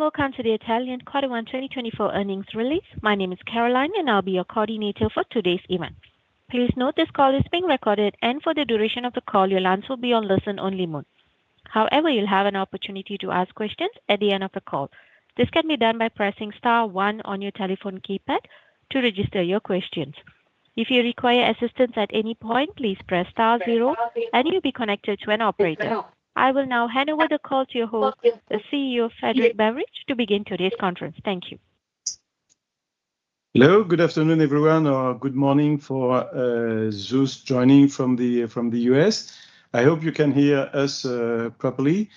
Welcome to the Atalian Q1 2024 earnings release. My name is Caroline, and I'll be your coordinator for today's event. Please note, this call is being recorded, and for the duration of the call, your lines will be on listen-only mode. However, you'll have an opportunity to ask questions at the end of the call. This can be done by pressing star one on your telephone keypad to register your questions. If you require assistance at any point, please press star zero, and you'll be connected to an operator. I will now hand over the call to your host, the CEO of Atalian, to begin today's conference. Thank you. Hello, good afternoon, everyone, or good morning for those joining from the U.S. I hope you can hear us properly.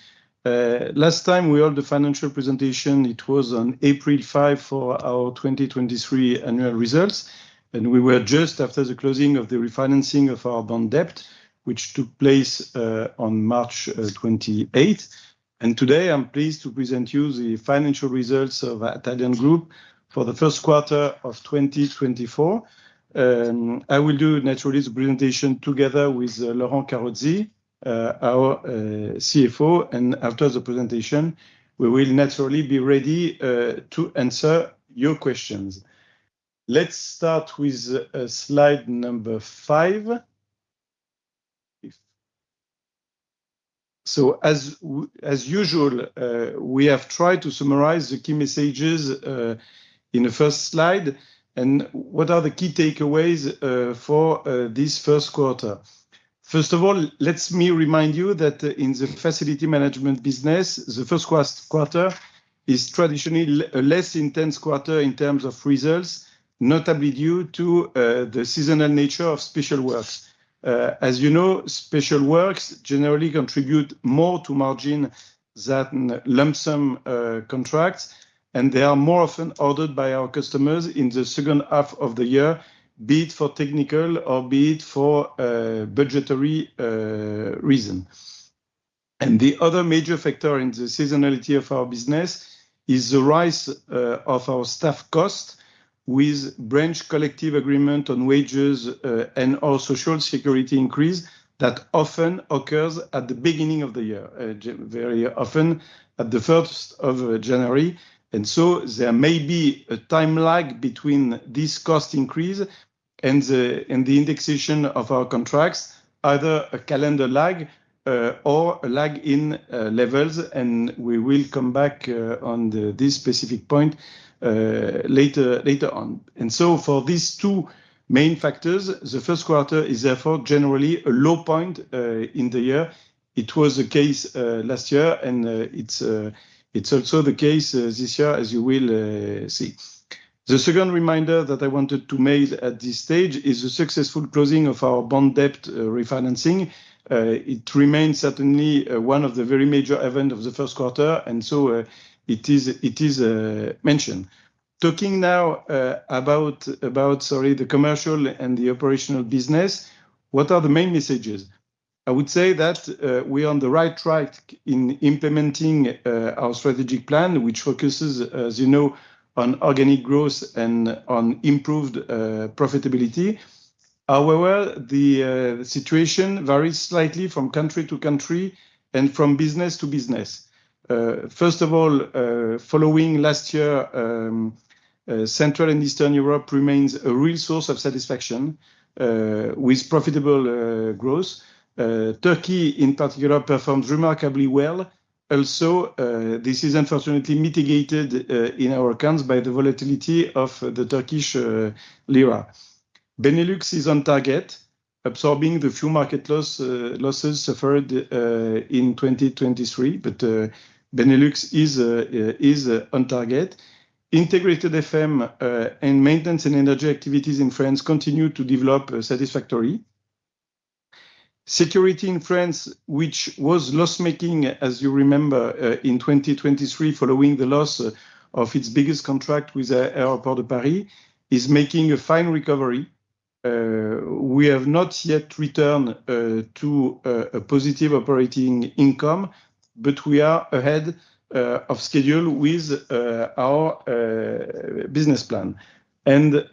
Last time we held the financial presentation, it was on April 5 for our 2023 annual results, and we were just after the closing of the refinancing of our bond debt, which took place on March 28. Today, I'm pleased to present you the financial results of Atalian Group for the Q1 of 2024. I will do, naturally, the presentation together with Laurent Carozzi, our CFO, and after the presentation, we will naturally be ready to answer your questions. Let's start with slide number 5. So as usual, we have tried to summarize the key messages in the first slide, and what are the key takeaways for this Q1? First of all, let me remind you that in the facility management business, the Q1 is traditionally a less intense quarter in terms of results, notably due to the seasonal nature of special works. As you know, special works generally contribute more to margin than lump sum contracts, and they are more often ordered by our customers in the second half of the year, be it for technical or be it for budgetary reasons. The other major factor in the seasonality of our business is the rise of our staff costs with branch collective agreement on wages, and our Social Security increase that often occurs at the beginning of the year, very often at the first of January. So there may be a time lag between this cost increase and the indexation of our contracts, either a calendar lag, or a lag in levels, and we will come back on this specific point later on. So for these two main factors, the Q1 is therefore generally a low point in the year. It was the case last year, and it's also the case this year, as you will see. The second reminder that I wanted to make at this stage is the successful closing of our bond debt refinancing. It remains certainly one of the very major event of the Q1, and so it is mentioned. Talking now about the commercial and the operational business, what are the main messages? I would say that we are on the right track in implementing our strategic plan, which focuses, as you know, on organic growth and on improved profitability. However, the situation varies slightly from country to country and from business to business. First of all, following last year, Central and Eastern Europe remains a real source of satisfaction with profitable growth. Turkey, in particular, performs remarkably well. Also, this is unfortunately mitigated in our accounts by the volatility of the Turkish lira. Benelux is on target, absorbing the few market losses suffered in 2023, but Benelux is on target. Integrated FM and maintenance and energy activities in France continue to develop satisfactory. Security in France, which was loss-making, as you remember, in 2023, following the loss of its biggest contract with Aéroports de Paris, is making a fine recovery. We have not yet returned to a positive operating income, but we are ahead of schedule with our business plan. And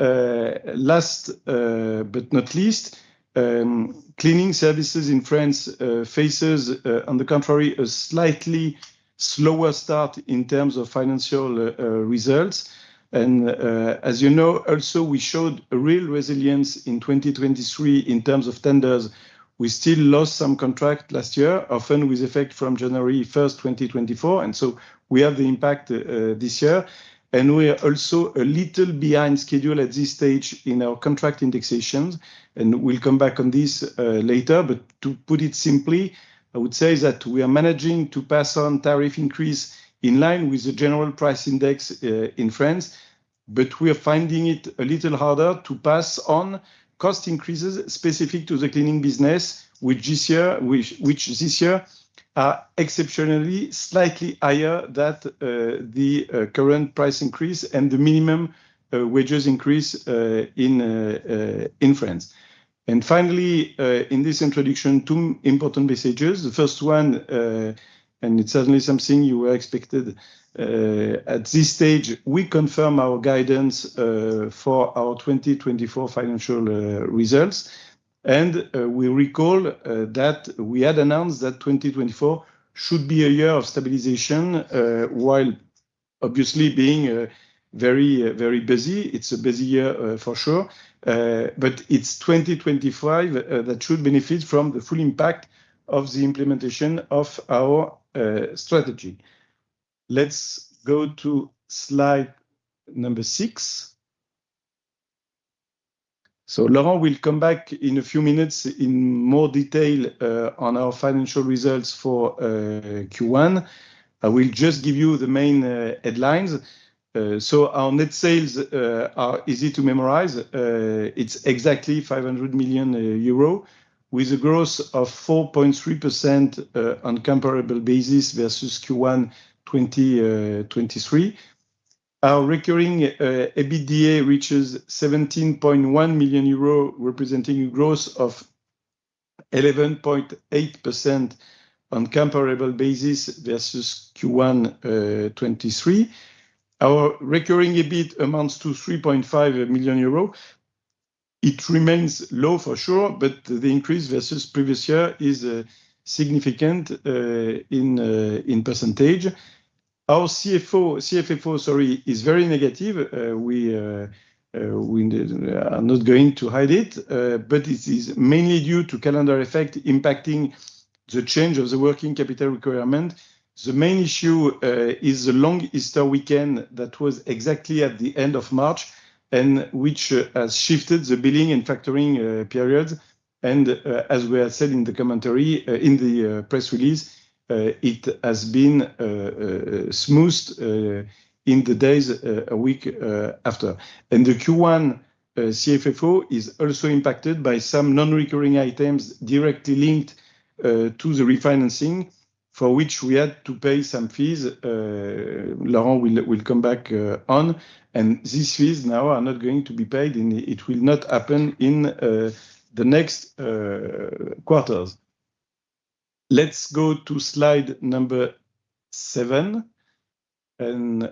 last but not least, cleaning services in France faces on the contrary a slightly slower start in terms of financial results. As you know, also, we showed a real resilience in 2023 in terms of tenders. We still lost some contract last year, often with effect from January 1, 2024, and so we have the impact this year. We are also a little behind schedule at this stage in our contract indexations, and we'll come back on this later. To put it simply, I would say that we are managing to pass on tariff increase in line with the general price index in France, but we are finding it a little harder to pass on cost increases specific to the cleaning business, which this year are exceptionally slightly higher than the current price increase and the minimum wages increase in France. Finally, in this introduction, two important messages. The first one, and it's certainly something you were expected, at this stage. We confirm our guidance for our 2024 financial results... and, we recall that we had announced that 2024 should be a year of stabilization, while obviously being very, very busy. It's a busy year, for sure, but it's 2025 that should benefit from the full impact of the implementation of our strategy. Let's go to slide number six. So Laurent will come back in a few minutes in more detail on our financial results for Q1. I will just give you the main headlines. So our net sales are easy to memorize. It's exactly 500 million euro, with a growth of 4.3% on comparable basis versus Q1 2023. Our recurring EBITDA reaches 17.1 million euros, representing a growth of 11.8% on comparable basis versus Q1 2023. Our recurring EBIT amounts to 3.5 million euros. It remains low for sure, but the increase versus previous year is significant in percentage. Our CFFO, sorry, is very negative. We are not going to hide it, but it is mainly due to calendar effect impacting the change of the working capital requirement. The main issue is the long Easter weekend that was exactly at the end of March, and which has shifted the billing and factoring periods. And, as we have said in the commentary, in the press release, it has been smoothed in the days a week after. And the Q1 CFFO is also impacted by some non-recurring items directly linked to the refinancing, for which we had to pay some fees, Laurent will come back on. And these fees now are not going to be paid, and it will not happen in the next quarters. Let's go to slide number 7. And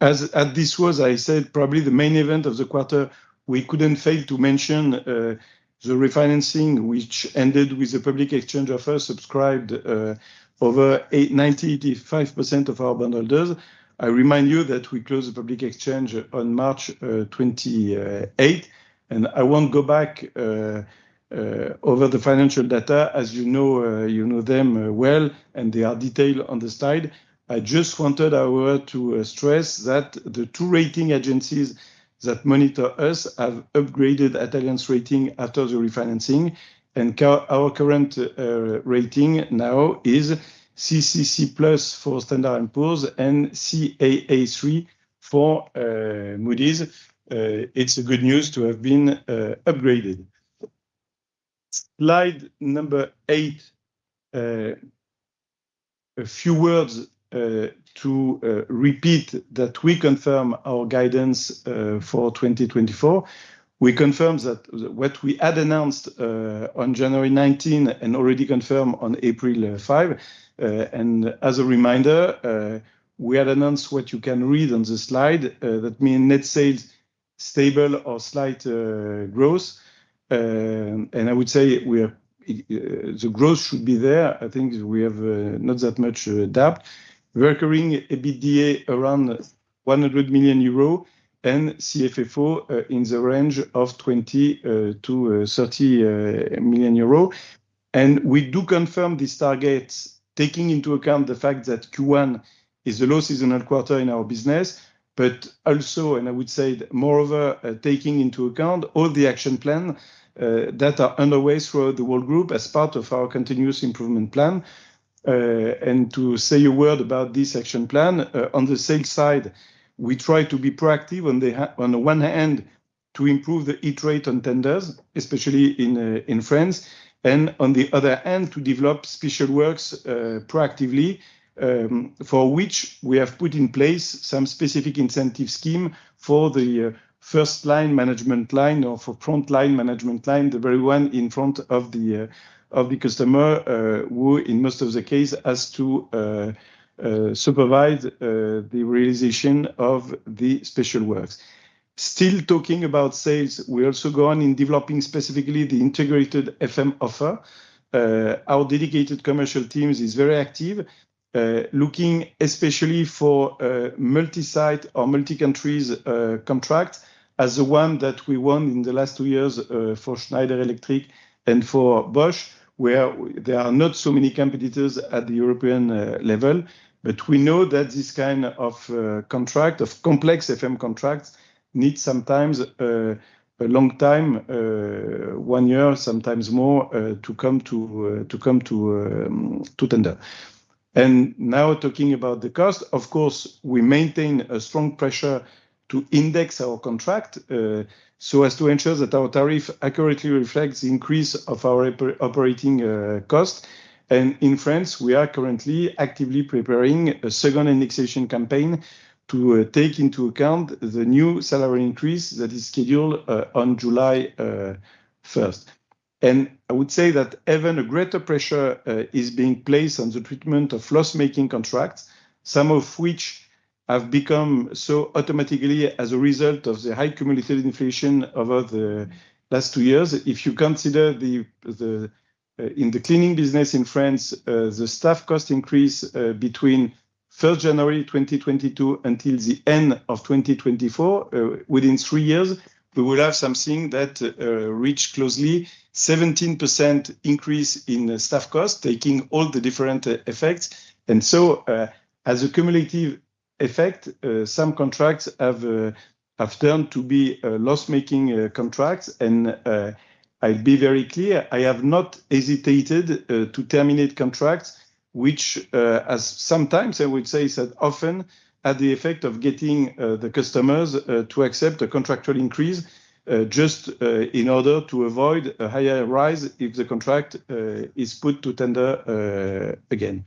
as this was, I said, probably the main event of the quarter, we couldn't fail to mention the refinancing, which ended with the public exchange offer subscribed over 85% of our bondholders. I remind you that we closed the public exchange on March 28. And I won't go back over the financial data, as you know, you know them well, and they are detailed on the slide. I just wanted to stress that the two rating agencies that monitor us have upgraded Atalian's rating after the refinancing, and our current rating now is CCC+ for Standard & Poor's, and Caa3 for Moody's. It's good news to have been upgraded. Slide number 8. A few words to repeat that we confirm our guidance for 2024. We confirm that what we had announced on January 19 and already confirmed on April 5. And as a reminder, we had announced what you can read on the slide. That mean net sales, stable or slight growth. And I would say we are the growth should be there. I think we have not that much gap. Recurring EBITDA around 100 million euro, and CFFO in the range of 20 million-30 million euros. And we do confirm these targets, taking into account the fact that Q1 is the low seasonal quarter in our business, but also, and I would say moreover, taking into account all the action plan that are underway throughout the world group as part of our continuous improvement plan. And to say a word about this action plan, on the sales side, we try to be proactive on the one hand, to improve the hit rate on tenders, especially in France, and on the other hand, to develop special works proactively, for which we have put in place some specific incentive scheme for the first line management line or for frontline management line, the very one in front of the customer, who in most of the case has to supervise the realization of the special works. Still talking about sales, we also go on in developing specifically the integrated FM offer. Our dedicated commercial teams is very active, looking especially for multi-site or multi-countries contract as the one that we won in the last two years for Schneider Electric and for Bosch, where there are not so many competitors at the European level. But we know that this kind of contract of complex FM contracts needs sometimes a long time, one year, sometimes more, to come to, to come to, to tender. Now talking about the cost, of course, we maintain a strong pressure to index our contract so as to ensure that our tariff accurately reflects the increase of our operating cost. In France, we are currently actively preparing a second indexation campaign to take into account the new salary increase that is scheduled on July first. I would say that even a greater pressure is being placed on the treatment of loss-making contracts, some of which have become so automatically as a result of the high cumulative inflation over the last two years. If you consider the in the cleaning business in France, the staff cost increase between 3rd January 2022 until the end of 2024, within three years, we will have something that reach closely 17% increase in staff costs, taking all the different effects. And so, as a cumulative effect, some contracts have turned to be loss-making contracts. I'll be very clear, I have not hesitated to terminate contracts, which, as sometimes, I would say, said often had the effect of getting the customers to accept a contractual increase, just in order to avoid a higher rise if the contract is put to tender again.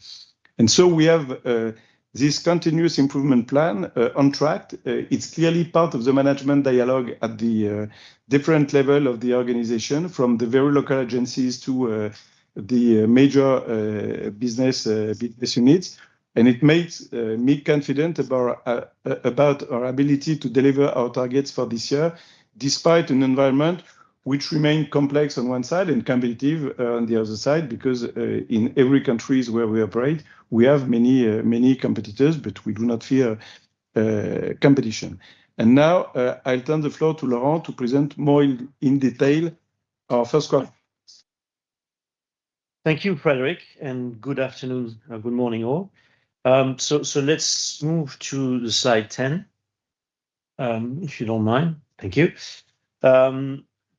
We have this continuous improvement plan on track. It's clearly part of the management dialogue at the different level of the organization, from the very local agencies to the major business business units. And it makes me confident about about our ability to deliver our targets for this year, despite an environment which remain complex on one side and competitive on the other side, because in every countries where we operate, we have many many competitors, but we do not fear competition. And now I'll turn the floor to Laurent to present more in detail our Q1. Thank you, Frédéric, and good afternoon, and good morning, all. So let's move to slide 10, if you don't mind. Thank you.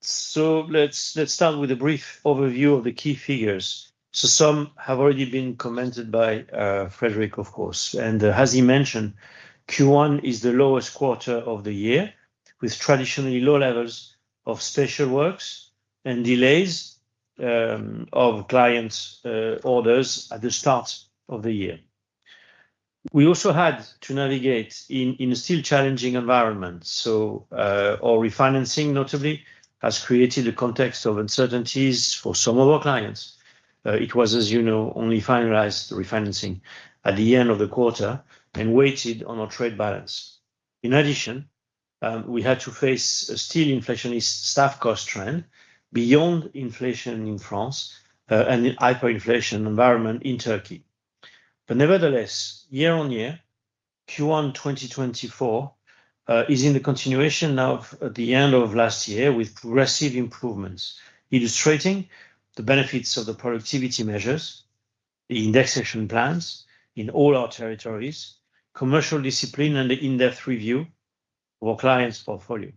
So let's start with a brief overview of the key figures. So some have already been commented by, Frédéric, of course, and as he mentioned, Q1 is the lowest quarter of the year, with traditionally low levels of special works and delays of clients' orders at the start of the year. We also had to navigate in a still challenging environment. So our refinancing notably has created a context of uncertainties for some of our clients. It was, as you know, only finalized the refinancing at the end of the quarter and weighed on our trade balance. In addition, we had to face a still inflationary staff cost trend beyond inflation in France, and the hyperinflation environment in Turkey. But nevertheless, year-on-year, Q1 2024, is in the continuation now of the end of last year, with progressive improvements, illustrating the benefits of the productivity measures, the indexation plans in all our territories, commercial discipline, and the in-depth review of our clients' portfolio.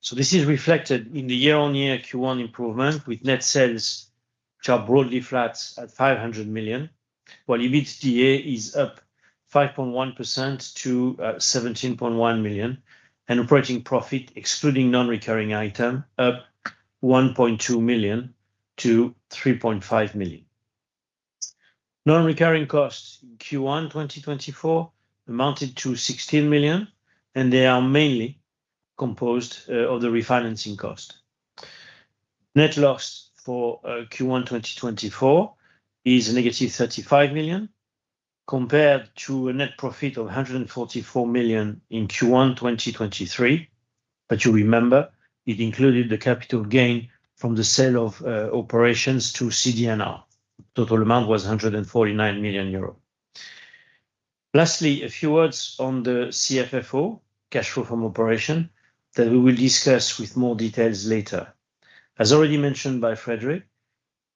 So this is reflected in the year-on-year Q1 improvement, with net sales, which are broadly flat at 500 million, while EBITDA is up 5.1% to 17.1 million, and operating profit, excluding non-recurring item, up 1.2 million to 3.5 million. Non-recurring costs in Q1 2024 amounted to 16 million, and they are mainly composed of the refinancing cost. Net loss for Q1 2024 is negative 35 million, compared to a net profit of 144 million in Q1 2023. But you remember, it included the capital gain from the sale of operations to CD&R. Total amount was 149 million euro. Lastly, a few words on the CFFO, cash flow from operation, that we will discuss with more details later. As already mentioned by Frédéric,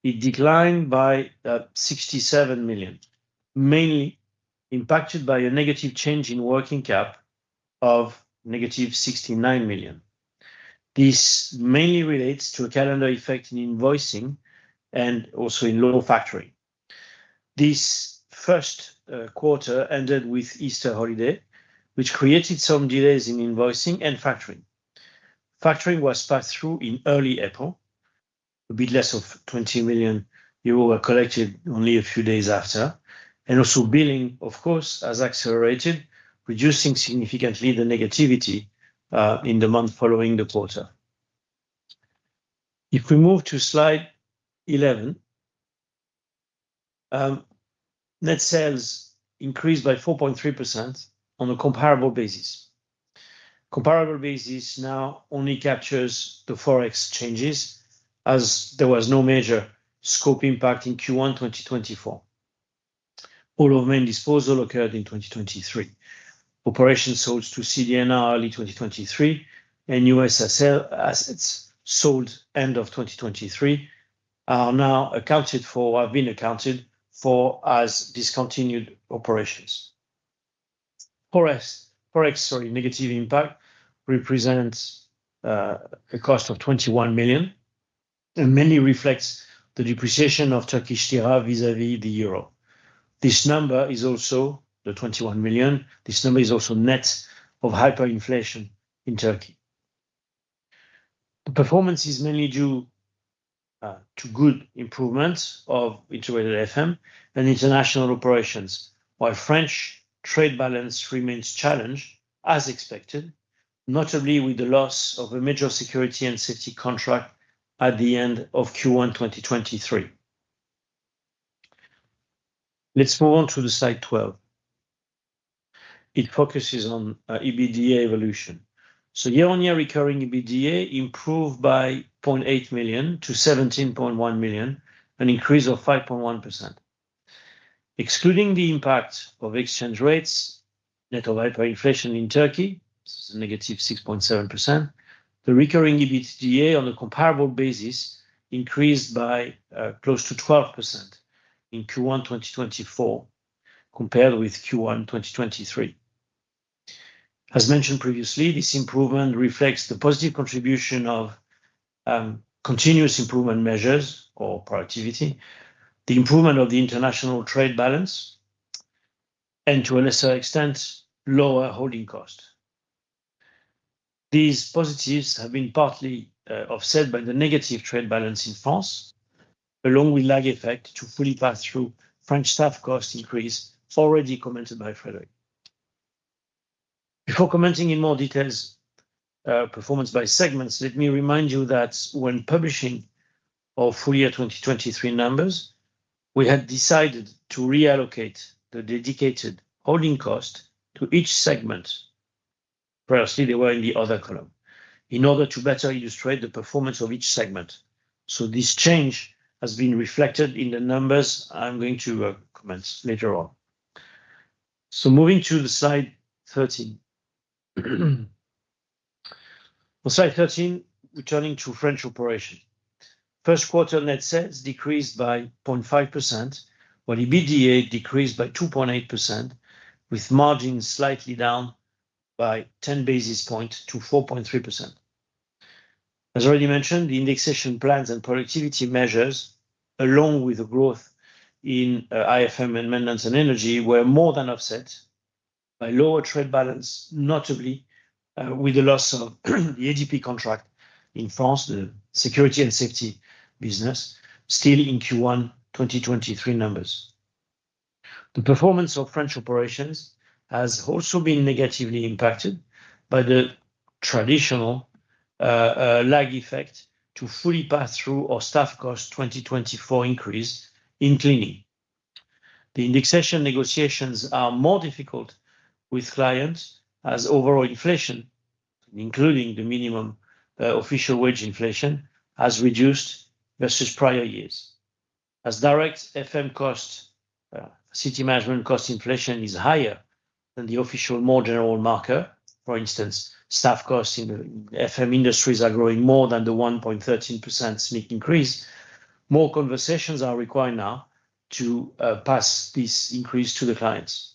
it declined by 67 million, mainly impacted by a negative change in working cap of negative 69 million. This mainly relates to a calendar effect in invoicing and also in low factoring. This Q1 ended with Easter holiday, which created some delays in invoicing and factoring. Factoring was passed through in early April. A bit less of 20 million euro were collected only a few days after, and also billing, of course, has accelerated, reducing significantly the negativity in the month following the quarter. If we move to slide 11, net sales increased by 4.3% on a comparable basis. Comparable basis now only captures the Forex changes, as there was no major scope impact in Q1 2024. All of main disposal occurred in 2023. Operation sold to CD&R early 2023, and U.S assets sold end of 2023, are now accounted for have been accounted for as discontinued operations. Forex, sorry, negative impact represents a cost of 21 million and mainly reflects the depreciation of Turkish lira vis-à-vis the euro. This number is also the 21 million. This number is also net of hyperinflation in Turkey. The performance is mainly due to good improvements of integrated FM and international operations, while French trade balance remains challenged, as expected, notably with the loss of a major security and safety contract at the end of Q1 2023. Let's move on to the slide 12. It focuses on EBITDA evolution. So year-on-year recurring EBITDA improved by 0.8 million to 17.1 million, an increase of 5.1%. Excluding the impact of exchange rates, net of hyperinflation in Turkey, this is a -6.7%, the recurring EBITDA on a comparable basis increased by close to 12% in Q1 2024, compared with Q1 2023. As mentioned previously, this improvement reflects the positive contribution of continuous improvement measures or productivity, the improvement of the international trade balance, and to a lesser extent, lower holding costs. These positives have been partly offset by the negative trade balance in France, along with lag effect to fully pass through French staff cost increase, already commented by Frédéric. Before commenting in more details performance by segments, let me remind you that when publishing our full year 2023 numbers, we had decided to reallocate the dedicated holding cost to each segment. Previously, they were in the other column. In order to better illustrate the performance of each segment, so this change has been reflected in the numbers I'm going to comment later on. So moving to the slide 13. On slide 13, returning to French operation. Q1 net sales decreased by 0.5%, while EBITDA decreased by 2.8%, with margins slightly down by 10 basis points to 4.3%. As already mentioned, the indexation plans and productivity measures, along with the growth in IFM and maintenance and energy, were more than offset by lower trade balance, notably, with the loss of the ADP contract in France, the security and safety business, still in Q1, 2023 numbers. The performance of French operations has also been negatively impacted by the traditional lag effect to fully pass through our staff cost 2024 increase in cleaning. The indexation negotiations are more difficult with clients as overall inflation, including the minimum official wage inflation, has reduced versus prior years. As direct FM costs, city management cost inflation is higher than the official, more general marker. For instance, staff costs in the FM industries are growing more than the 1.13% SMIC increase. More conversations are required now to pass this increase to the clients.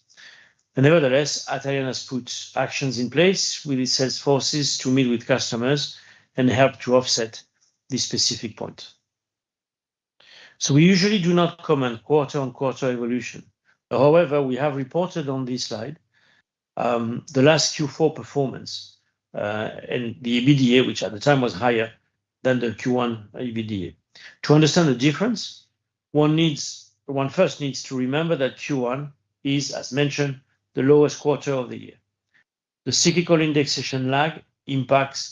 Nevertheless, Atalian has put actions in place with its sales forces to meet with customers and help to offset this specific point. So we usually do not comment quarter-on-quarter evolution. However, we have reported on this slide the last Q4 performance and the EBITDA, which at the time was higher than the Q1 EBITDA. To understand the difference, one first needs to remember that Q1 is, as mentioned, the lowest quarter of the year. The cyclical indexation lag impact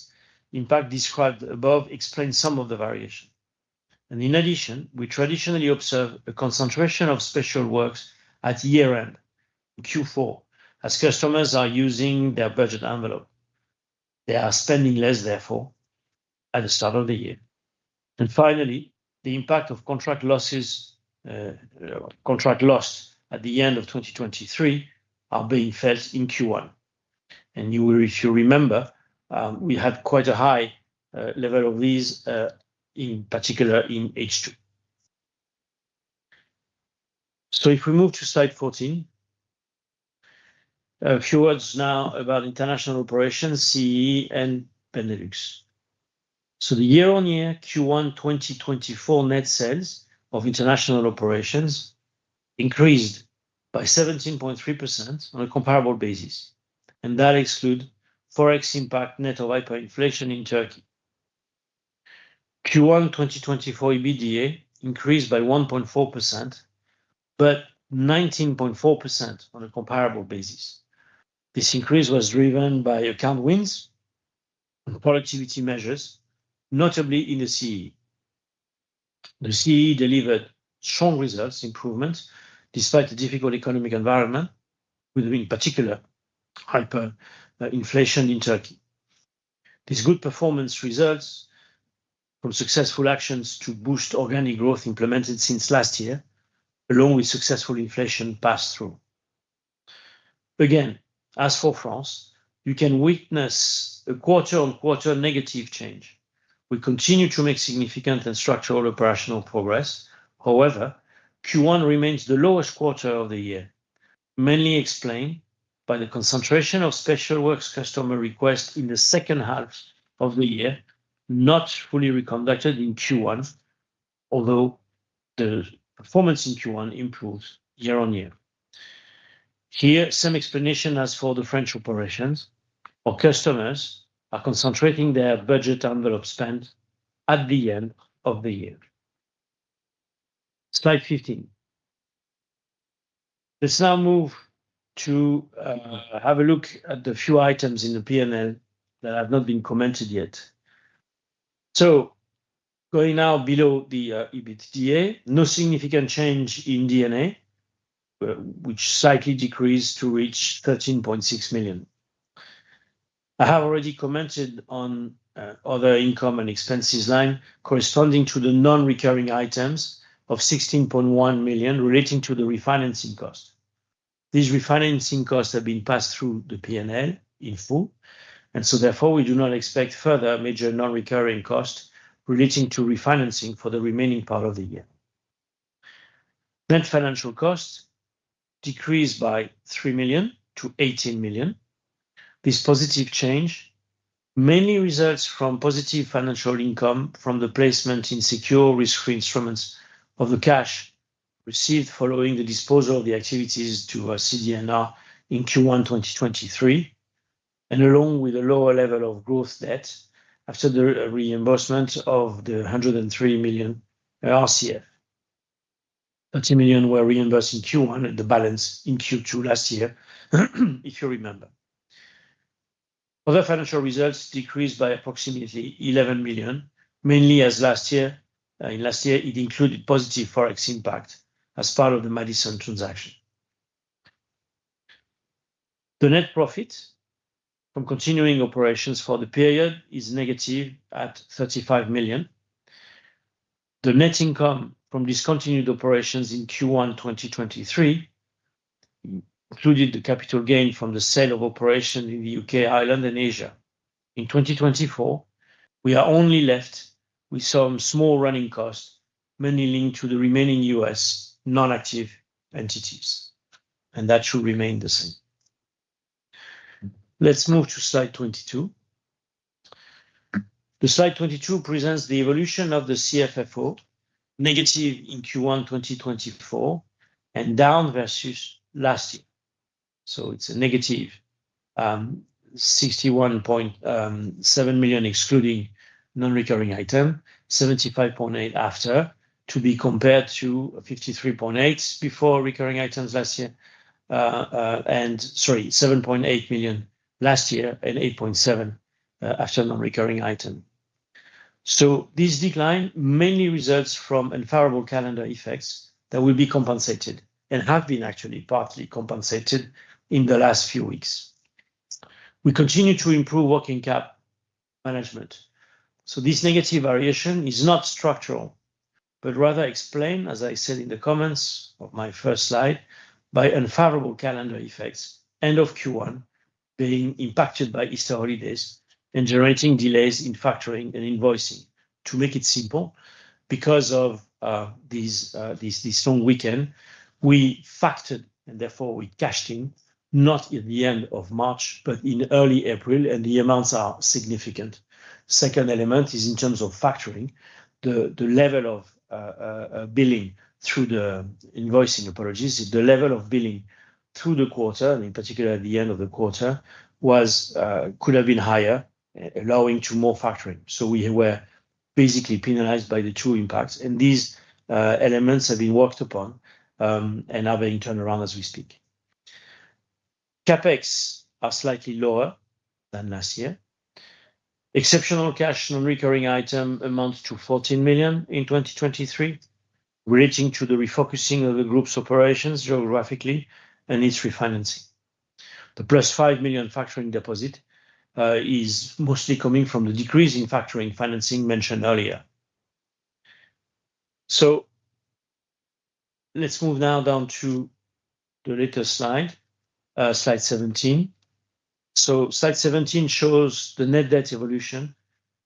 described above explains some of the variation. In addition, we traditionally observe a concentration of special works at year-end, in Q4, as customers are using their budget envelope. They are spending less, therefore, at the start of the year. And finally, the impact of contract losses, contract loss at the end of 2023, are being felt in Q1. And you will, if you remember, we had quite a high level of these, in particular in H2. So if we move to slide 14, a few words now about international operations, CEE and Benelux. So the year-on-year Q1 2024 net sales of international operations increased by 17.3% on a comparable basis, and that exclude Forex impact net of hyperinflation in Turkey. Q1 2024 EBITDA increased by 1.4%, but 19.4% on a comparable basis. This increase was driven by account wins and productivity measures, notably in the CEE. The CEE delivered strong results improvement, despite the difficult economic environment, with, in particular, hyperinflation in Turkey. This good performance results from successful actions to boost organic growth implemented since last year, along with successful inflation pass-through. Again, as for France, you can witness a quarter-on-quarter negative change. We continue to make significant and structural operational progress. However, Q1 remains the lowest quarter of the year, mainly explained by the concentration of special works customer requests in the second half of the year, not fully reconducted in Q1, although the performance in Q1 improves year-over-year. Here, some explanation as for the French operations, our customers are concentrating their budget envelope spend at the end of the year. Slide 15.... Let's now move to have a look at the few items in the P&L that have not been commented yet. So going now below the EBITDA, no significant change in D&A, which slightly decreased to reach 13.6 million. I have already commented on other income and expenses line corresponding to the non-recurring items of 16.1 million relating to the refinancing cost. These refinancing costs have been passed through the P&L in full, and so therefore, we do not expect further major non-recurring costs relating to refinancing for the remaining part of the year. Net financial costs decreased by 3 million to 18 million. This positive change mainly results from positive financial income from the placement in secure risk-free instruments of the cash received following the disposal of the activities to CD&R in Q1 2023, and along with a lower level of growth debt after the reimbursement of the 103 million RCF. 30 million were reimbursed in Q1, and the balance in Q2 last year, if you remember. Other financial results decreased by approximately 11 million, mainly as last year. In last year, it included positive Forex impact as part of the Madison transaction. The net profit from continuing operations for the period is negative at 35 million. The net income from discontinued operations in Q1 2023, including the capital gain from the sale of operation in the UK, Ireland, and Asia. In 2024, we are only left with some small running costs, mainly linked to the remaining U.S non-active entities, and that should remain the same. Let's move to slide 22. The slide 22 presents the evolution of the CFFO, negative in Q1 2024, and down versus last year. So it's a negative 61.7 million, excluding non-recurring item, 75.8 after. To be compared to 53.8 million before recurring items last year, and sorry, 7.8 million last year and 8.7 million after non-recurring item. So this decline mainly results from unfavorable calendar effects that will be compensated and have been actually partly compensated in the last few weeks. We continue to improve working cap management, so this negative variation is not structural, but rather explained, as I said in the comments of my first slide, by unfavorable calendar effects, end of Q1 being impacted by Easter holidays and generating delays in factoring and invoicing. To make it simple, because of these long weekend, we factored and therefore we cashed in, not at the end of March, but in early April, and the amounts are significant. Second element is in terms of factoring. The level of billing through the quarter, and in particular at the end of the quarter, was—could have been higher, allowing to more factoring. So we were basically penalized by the two impacts, and these elements have been worked upon, and are being turned around as we speak. CapEx are slightly lower than last year. Exceptional cash non-recurring item amounts to 14 million in 2023, relating to the refocusing of the group's operations geographically and its refinancing. The +5 million factoring deposit is mostly coming from the decrease in factoring financing mentioned earlier. So let's move now down to the little slide, slide 17. So slide 17 shows the net debt evolution,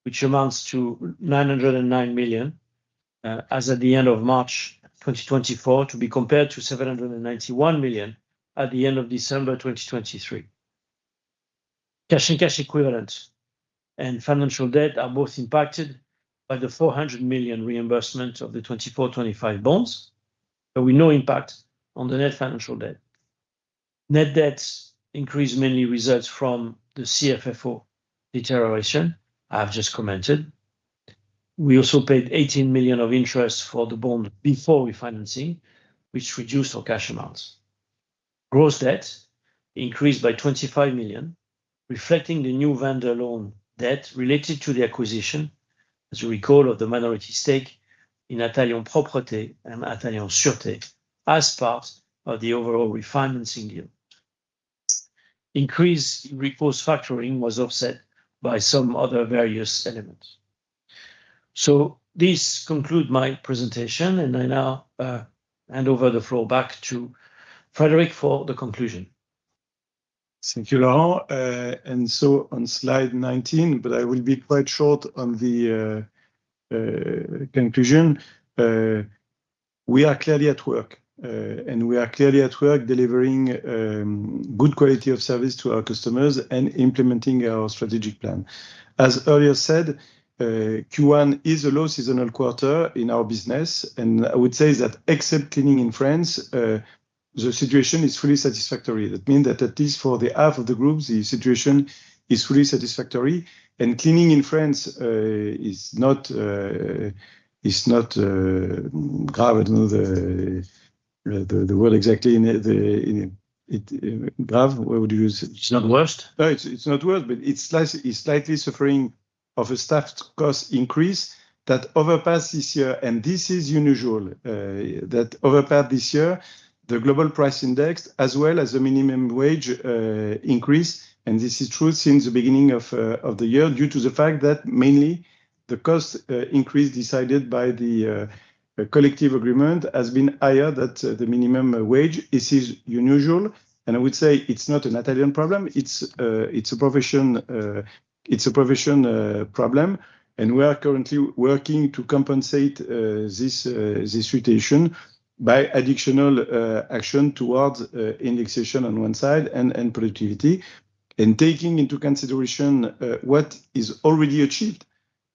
which amounts to 909 million as at the end of March 2024, to be compared to 791 million at the end of December 2023. Cash and cash equivalents and financial debt are both impacted by the 400 million reimbursement of the 2024, 2025 bonds, but with no impact on the net financial debt. Net debts increase mainly results from the CFFO deterioration I've just commented. We also paid 18 million of interest for the bond before refinancing, which reduced our cash amounts. Gross debt increased by 25 million, reflecting the new vendor loan debt related to the acquisition, as you recall, of the minority stake in Atalian Propreté and Atalian Sûreté, as part of the overall refinancing deal. Increased recourse factoring was offset by some other various elements. So this conclude my presentation, and I now hand over the floor back to Frédéric for the conclusion. Thank you, Laurent. And so on slide 19, but I will be quite short on the conclusion. We are clearly at work, and we are clearly at work delivering good quality of service to our customers and implementing our strategic plan. As earlier said, Q1 is a low seasonal quarter in our business, and I would say that except cleaning in France, the situation is fully satisfactory. That means that at least for half of the group, the situation is fully satisfactory. And cleaning in France is not grabbing the- the, the, well, exactly in the graph, where would you use? It's not worst? No, it's not worse, but it's slightly suffering from a staff cost increase that outpaces this year, and this is unusual, that outpaces this year, the global price index as well as the minimum wage increase, and this is true since the beginning of the year, due to the fact that mainly the cost increase decided by the collective agreement has been higher than the minimum wage. This is unusual, and I would say it's not an Italian problem. It's a profession problem, and we are currently working to compensate this situation by additional action towards indexation on one side and productivity. Taking into consideration what is already achieved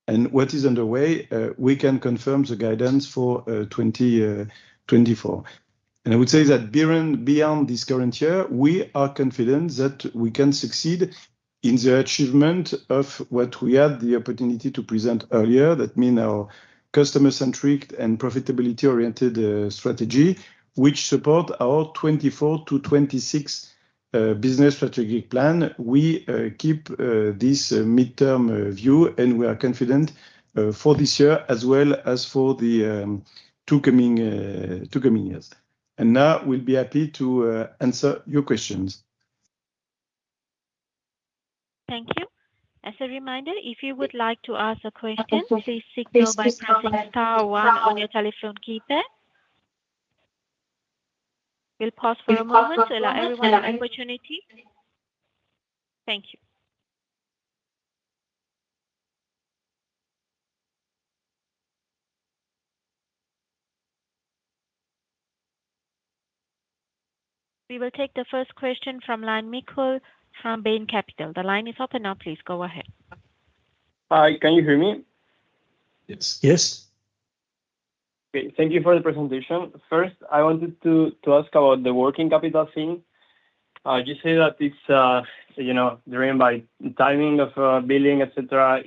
and what is underway, we can confirm the guidance for 2024. I would say that during beyond this current year, we are confident that we can succeed in the achievement of what we had the opportunity to present earlier, that mean our customer-centric and profitability-oriented strategy, which support our 2024 to 2026 business strategic plan. We keep this midterm view, and we are confident for this year as well as for the two coming years. And now we'll be happy to answer your questions. Thank you. As a reminder, if you would like to ask a question, please signal by pressing star one on your telephone keypad. We'll pause for a moment to allow everyone an opportunity. Thank you. We will take the first question from line, Michael from Bain Capital. The line is open now. Please go ahead. Hi, can you hear me? Yes. Yes. Okay. Thank you for the presentation. First, I wanted to ask about the working capital thing. You say that it's, you know, driven by timing of billing, et cetera.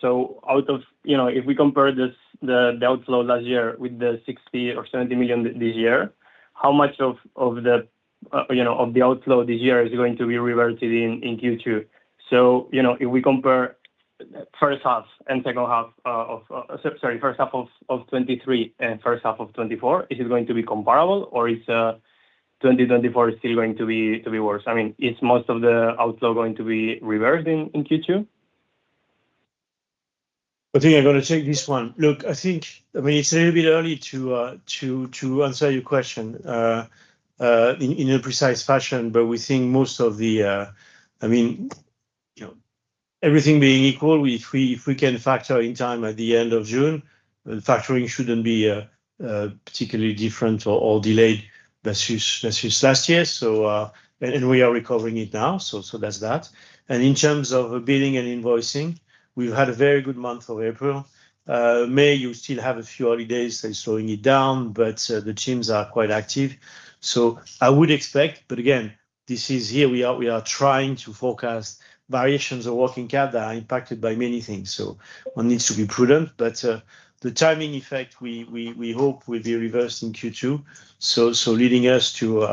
So out of, you know, if we compare this, the outflow last year with the 60 million or 70 million this year, how much of the outflow this year is going to be reverted in Q2? So, you know, if we compare first half and second half of... Sorry, first half of 2023 and first half of 2024, is it going to be comparable, or is 2024 still going to be worse? I mean, is most of the outflow going to be reversed in Q2? I think I'm gonna take this one. Look, I think, I mean, it's a little bit early to to answer your question in a precise fashion. But we think most of the, I mean, you know, everything being equal, if we, if we can factor in time at the end of June, the factoring shouldn't be particularly different or delayed versus last year. So, and we are recovering it now, so that's that. And in terms of billing and invoicing, we've had a very good month of April. May, you still have a few holidays that is slowing it down, but the teams are quite active. So I would expect, but again, here we are, we are trying to forecast variations of working cap that are impacted by many things, so one needs to be prudent. But, the timing effect, we hope will be reversed in Q2, so leading us to,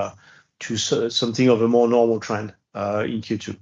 to something of a more normal trend, in Q2.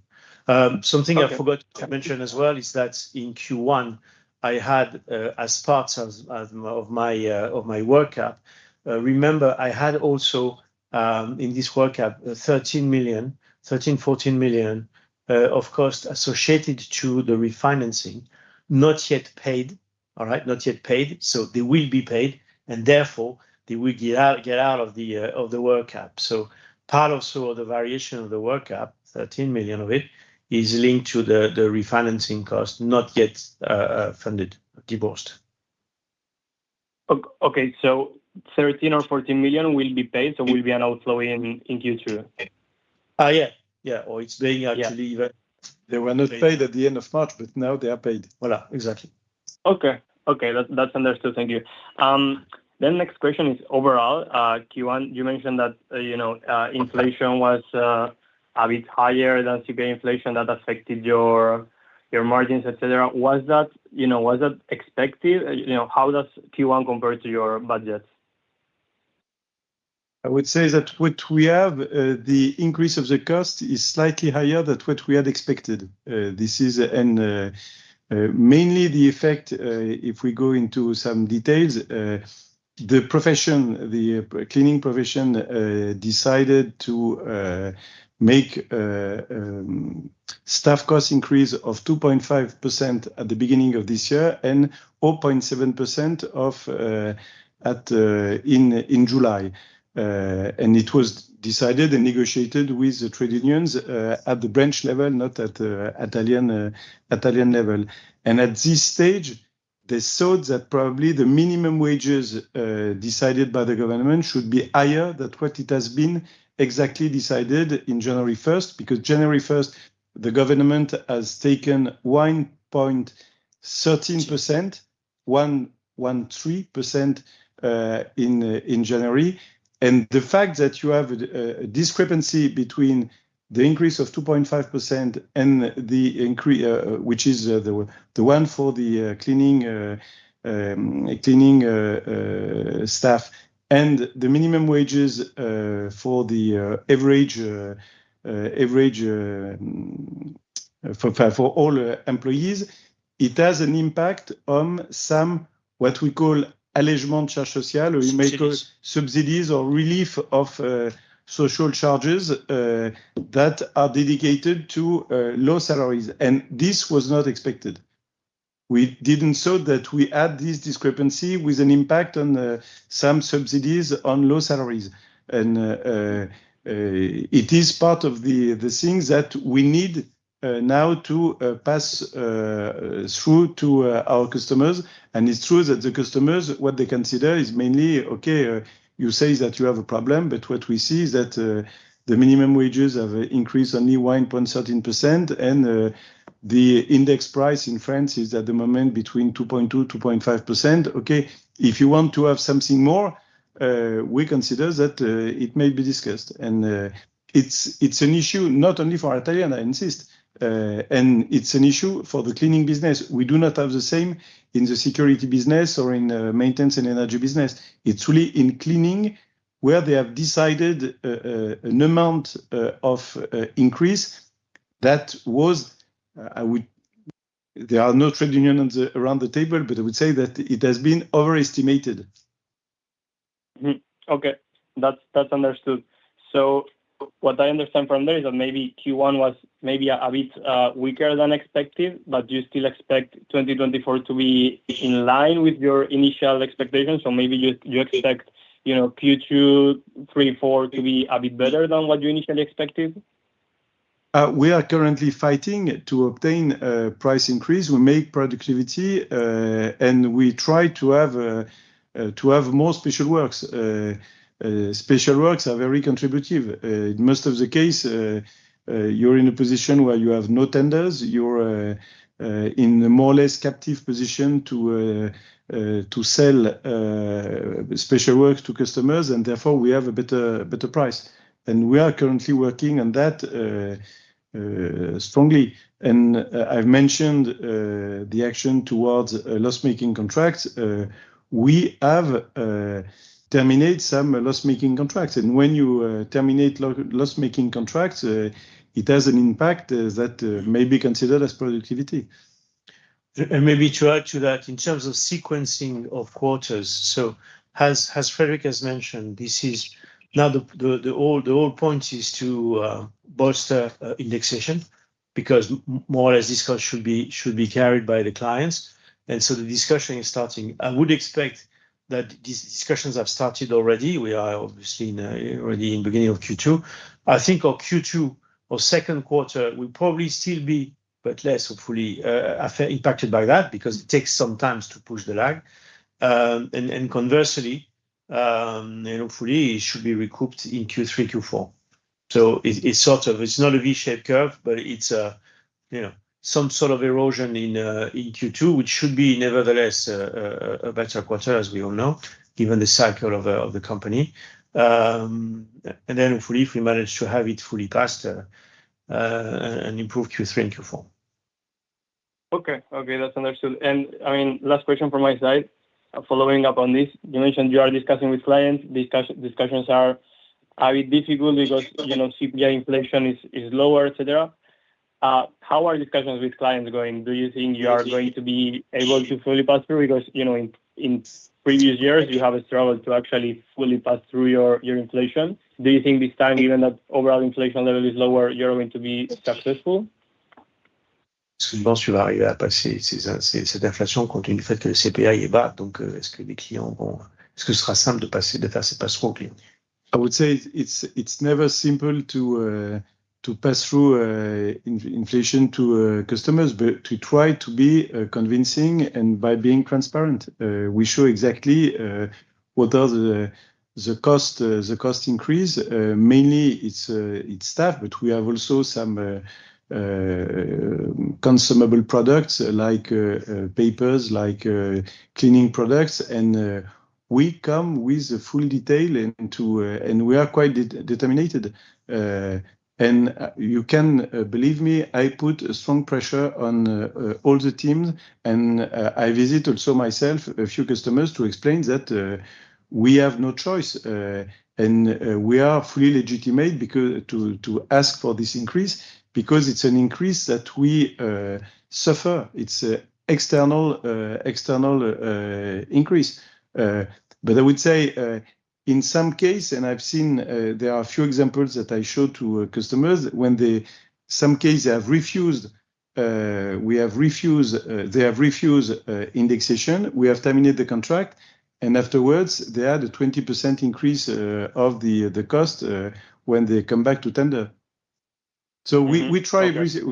Something- Okay... I forgot to mention as well is that in Q1, I had as part of my work cap, remember, I had also in this work cap, 13 million, 13, 14 million of cost associated to the refinancing. Not yet paid, all right? Not yet paid, so they will be paid, and therefore, they will get out, get out of the work cap. So part also of the variation of the work cap, 13 million of it, is linked to the refinancing cost, not yet funded, reimbursed. so 13 million or 14 million will be paid, so will be an outflow in Q2? Yeah. Yeah, or it's being actually re- They were not paid at the end of March, but now they are paid. Voilà, exactly. Okay. Okay, that, that's understood. Thank you. Then next question is: overall, Q1, you mentioned that, you know, inflation was a bit higher than CPI inflation that affected your, your margins, et cetera. Was that, you know, was that expected? You know, how does Q1 compare to your budget? I would say that what we have, the increase of the cost is slightly higher than what we had expected. This is... And, mainly the effect, if we go into some details, the profession, the cleaning profession, decided to make staff cost increase of 2.5% at the beginning of this year and 4.7% of, at, in, in July. And it was decided and negotiated with the trade unions, at the branch level, not at, Atalian, Atalian level. And at this stage, they thought that probably the minimum wages, decided by the government should be higher than what it has been exactly decided in January first, because January first, the government has taken 1.13%, 1.13%, in, in January. And the fact that you have a discrepancy between the increase of 2.5% and the increase, which is the one for the cleaning staff and the minimum wages, for the average, for all employees, it has an impact on some, what we call allègement charges sociales, or we make subsidies or relief of social charges that are dedicated to low salaries, and this was not expected. We didn't saw that we add this discrepancy with an impact on some subsidies on low salaries, and it is part of the things that we need now to pass through to our customers. It's true that the customers, what they consider is mainly, okay, you say that you have a problem, but what we see is that, the minimum wages have increased only 1.13%, and, the index price in France is at the moment between 2.2%-2.5%. Okay, if you want to have something more, we consider that, it may be discussed. It's an issue not only for Atalian, I insist, and it's an issue for the cleaning business. We do not have the same in the security business or in the maintenance and energy business. It's really in cleaning, where they have decided, an amount of increase that was, I would... There are no trade union on the, around the table, but I would say that it has been overestimated. Mm-hmm. Okay. That's understood. So what I understand from there is that maybe Q1 was maybe a bit weaker than expected, but you still expect 2024 to be in line with your initial expectations? So maybe you expect, you know, Q2, Q3, Q4, to be a bit better than what you initially expected? We are currently fighting to obtain a price increase. We make productivity, and we try to have more special works. Special works are very contributive. In most of the case, you're in a position where you have no tenders. You're in a more or less captive position to sell special works to customers, and therefore, we have a better price. We are currently working on that strongly. I've mentioned the action towards loss-making contracts. We have terminate some loss-making contracts, and when you terminate loss-making contracts, it has an impact that may be considered as productivity. And maybe to add to that, in terms of sequencing of quarters, so as Frederic has mentioned, this is now the whole point is to bolster indexation, because more or less this cost should be carried by the clients. And so the discussion is starting. I would expect that these discussions have started already. We are obviously now already in the beginning of Q2. I think our Q2 or Q2 will probably still be, but less, hopefully, affected, impacted by that, because it takes some time to push the lag. And conversely, and hopefully, it should be recouped in Q3, Q4. So it's sort of, it's not a V-shaped curve, but it's a, you know, some sort of erosion in Q2, which should be nevertheless a better quarter, as we all know, given the cycle of the company. And then hopefully, if we manage to have it fully passed, an improved Q3 and Q4. Okay. Okay, that's understood. And I mean, last question from my side. Following up on this, you mentioned you are discussing with clients, discussions are difficult because, you know, CPI inflation is lower, et cetera. How are discussions with clients going? Do you think you are going to be able to fully pass through? Because, you know, in previous years, you have struggled to actually fully pass through your inflation. Do you think this time, even if overall inflation level is lower, you're going to be successful? I would say it's never simple to pass through inflation to customers, but we try to be convincing, and by being transparent. We show exactly what are the cost, the cost increase. Mainly, it's staff, but we have also some consumable products, like papers, like cleaning products, and we come with full detail into... And we are quite determined. And you can believe me, I put strong pressure on all the teams, and I visit also myself, a few customers, to explain that we have no choice. And we are fully legitimate because to ask for this increase, because it's an increase that we suffer. It's an external increase. But I would say, in some case, and I've seen, there are a few examples that I show to customers, when they, some cases they have refused, we have refused, they have refused, indexation. We have terminated the contract, and afterwards, they add a 20% increase of the cost when they come back to tender. Mm-hmm. Okay. So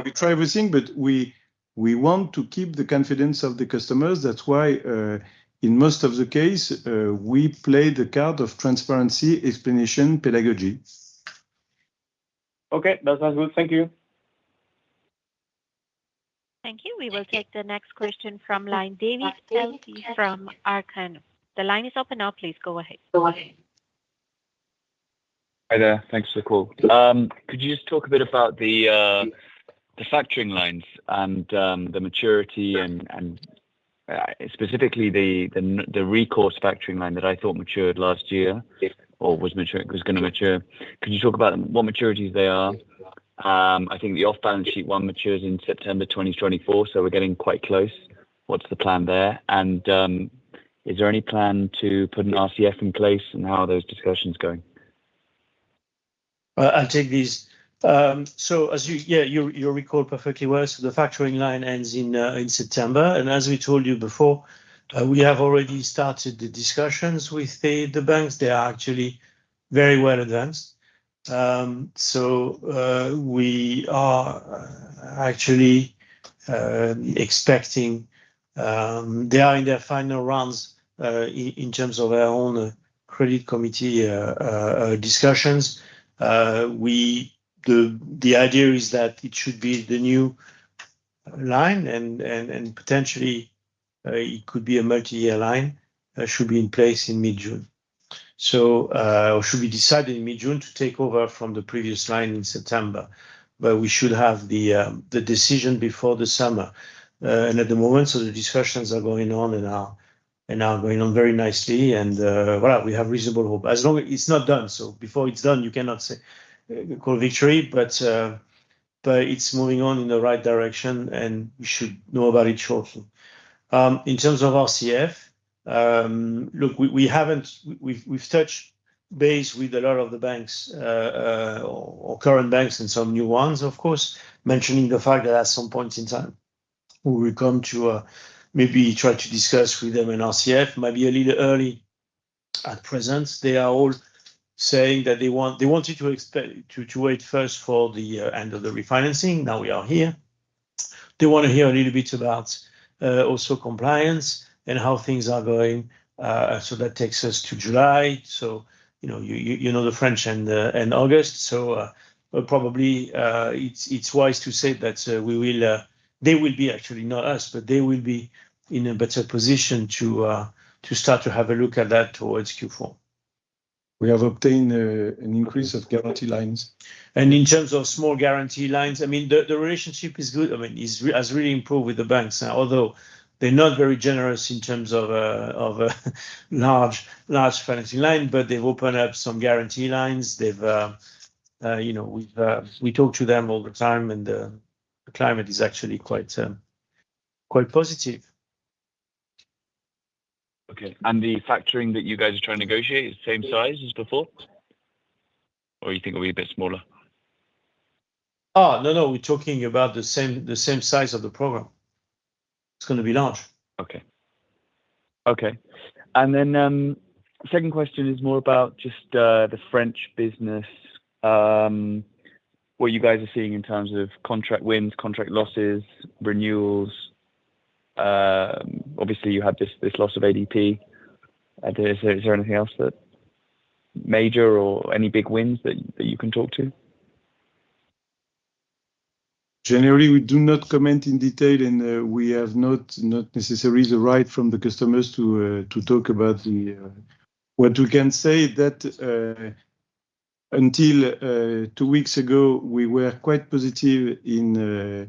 we try everything, but we want to keep the confidence of the customers. That's why, in most of the case, we play the card of transparency, explanation, pedagogy. Okay, that sounds good. Thank you. Thank you. We will take the next question from line Davis from Arkkan. The line is open now, please go ahead.... Hi there. Thanks for the call. Could you just talk a bit about the factoring lines and the maturity and specifically the recourse factoring line that I thought matured last year or was gonna mature. Could you talk about what maturities they are? I think the off-balance sheet one matures in September 2024, so we're getting quite close. What's the plan there? And is there any plan to put an RCF in place, and how are those discussions going? I, I'll take these. So as you... Yeah, you recall perfectly well, so the factoring line ends in September. And as we told you before, we have already started the discussions with the banks. They are actually very well advanced. So, we are actually expecting, they are in their final rounds, in terms of their own credit committee discussions. The idea is that it should be the new line and potentially, it could be a multi-year line, should be in place in mid-June. So, it should be decided in mid-June to take over from the previous line in September, but we should have the decision before the summer. And at the moment, so the discussions are going on, and are going on very nicely, and, well, we have reasonable hope. As long as—it's not done, so before it's done, you cannot say call victory, but, but it's moving on in the right direction, and we should know about it shortly. In terms of RCF, look, we haven't—we've touched base with a lot of the banks, or current banks and some new ones, of course, mentioning the fact that at some point in time, we will come to maybe try to discuss with them an RCF, maybe a little early at present. They are all saying that they want—they wanted to expect—to wait first for the end of the refinancing. Now we are here. They wanna hear a little bit about also compliance and how things are going. So that takes us to July. So, you know, the French and August. So, probably, it's wise to say that they will be actually, not us, but they will be in a better position to start to have a look at that towards Q4. We have obtained an increase of guarantee lines. In terms of small guarantee lines, I mean, the relationship is good. I mean, has really improved with the banks, although they're not very generous in terms of a large financing line, but they've opened up some guarantee lines. They've, you know, we talk to them all the time, and the climate is actually quite positive. Okay, and the factoring that you guys are trying to negotiate is the same size as before, or you think it'll be a bit smaller? Oh, no, no, we're talking about the same, the same size of the program. It's gonna be large. Okay. Okay, and then, second question is more about just, the French business. What you guys are seeing in terms of contract wins, contract losses, renewals. Obviously, you have this loss of ADP. And is there anything else that's major or any big wins that you can talk to? Generally, we do not comment in detail, and we have not necessarily the right from the customers to talk about the... What we can say that until two weeks ago, we were quite positive in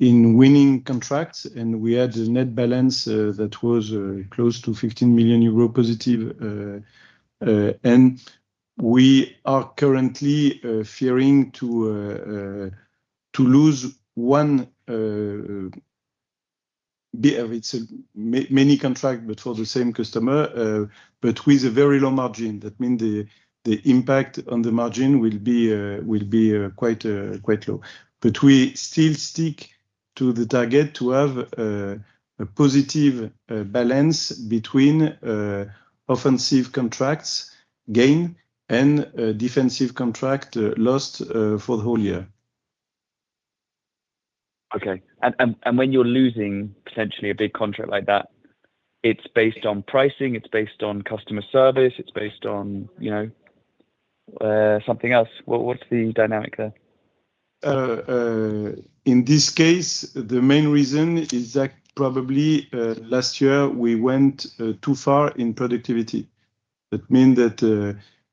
winning contracts, and we had a net balance that was close to 15 million euro positive. And we are currently fearing to lose one, it's a many contract, but for the same customer, but with a very low margin. That mean the impact on the margin will be quite low. But we still stick to the target to have a positive balance between offensive contracts gain and defensive contract lost for the whole year. Okay, and when you're losing potentially a big contract like that, it's based on pricing, it's based on customer service, it's based on, you know, something else? What's the dynamic there? In this case, the main reason is that probably last year we went too far in productivity. That mean that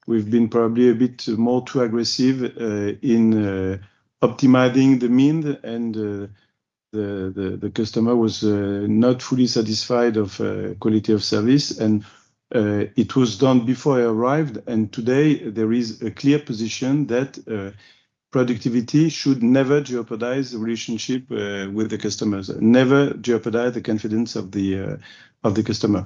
we've been probably a bit more too aggressive in optimizing the mean, and the customer was not fully satisfied of quality of service. It was done before I arrived, and today there is a clear position that productivity should never jeopardize the relationship with the customers, never jeopardize the confidence of the customer.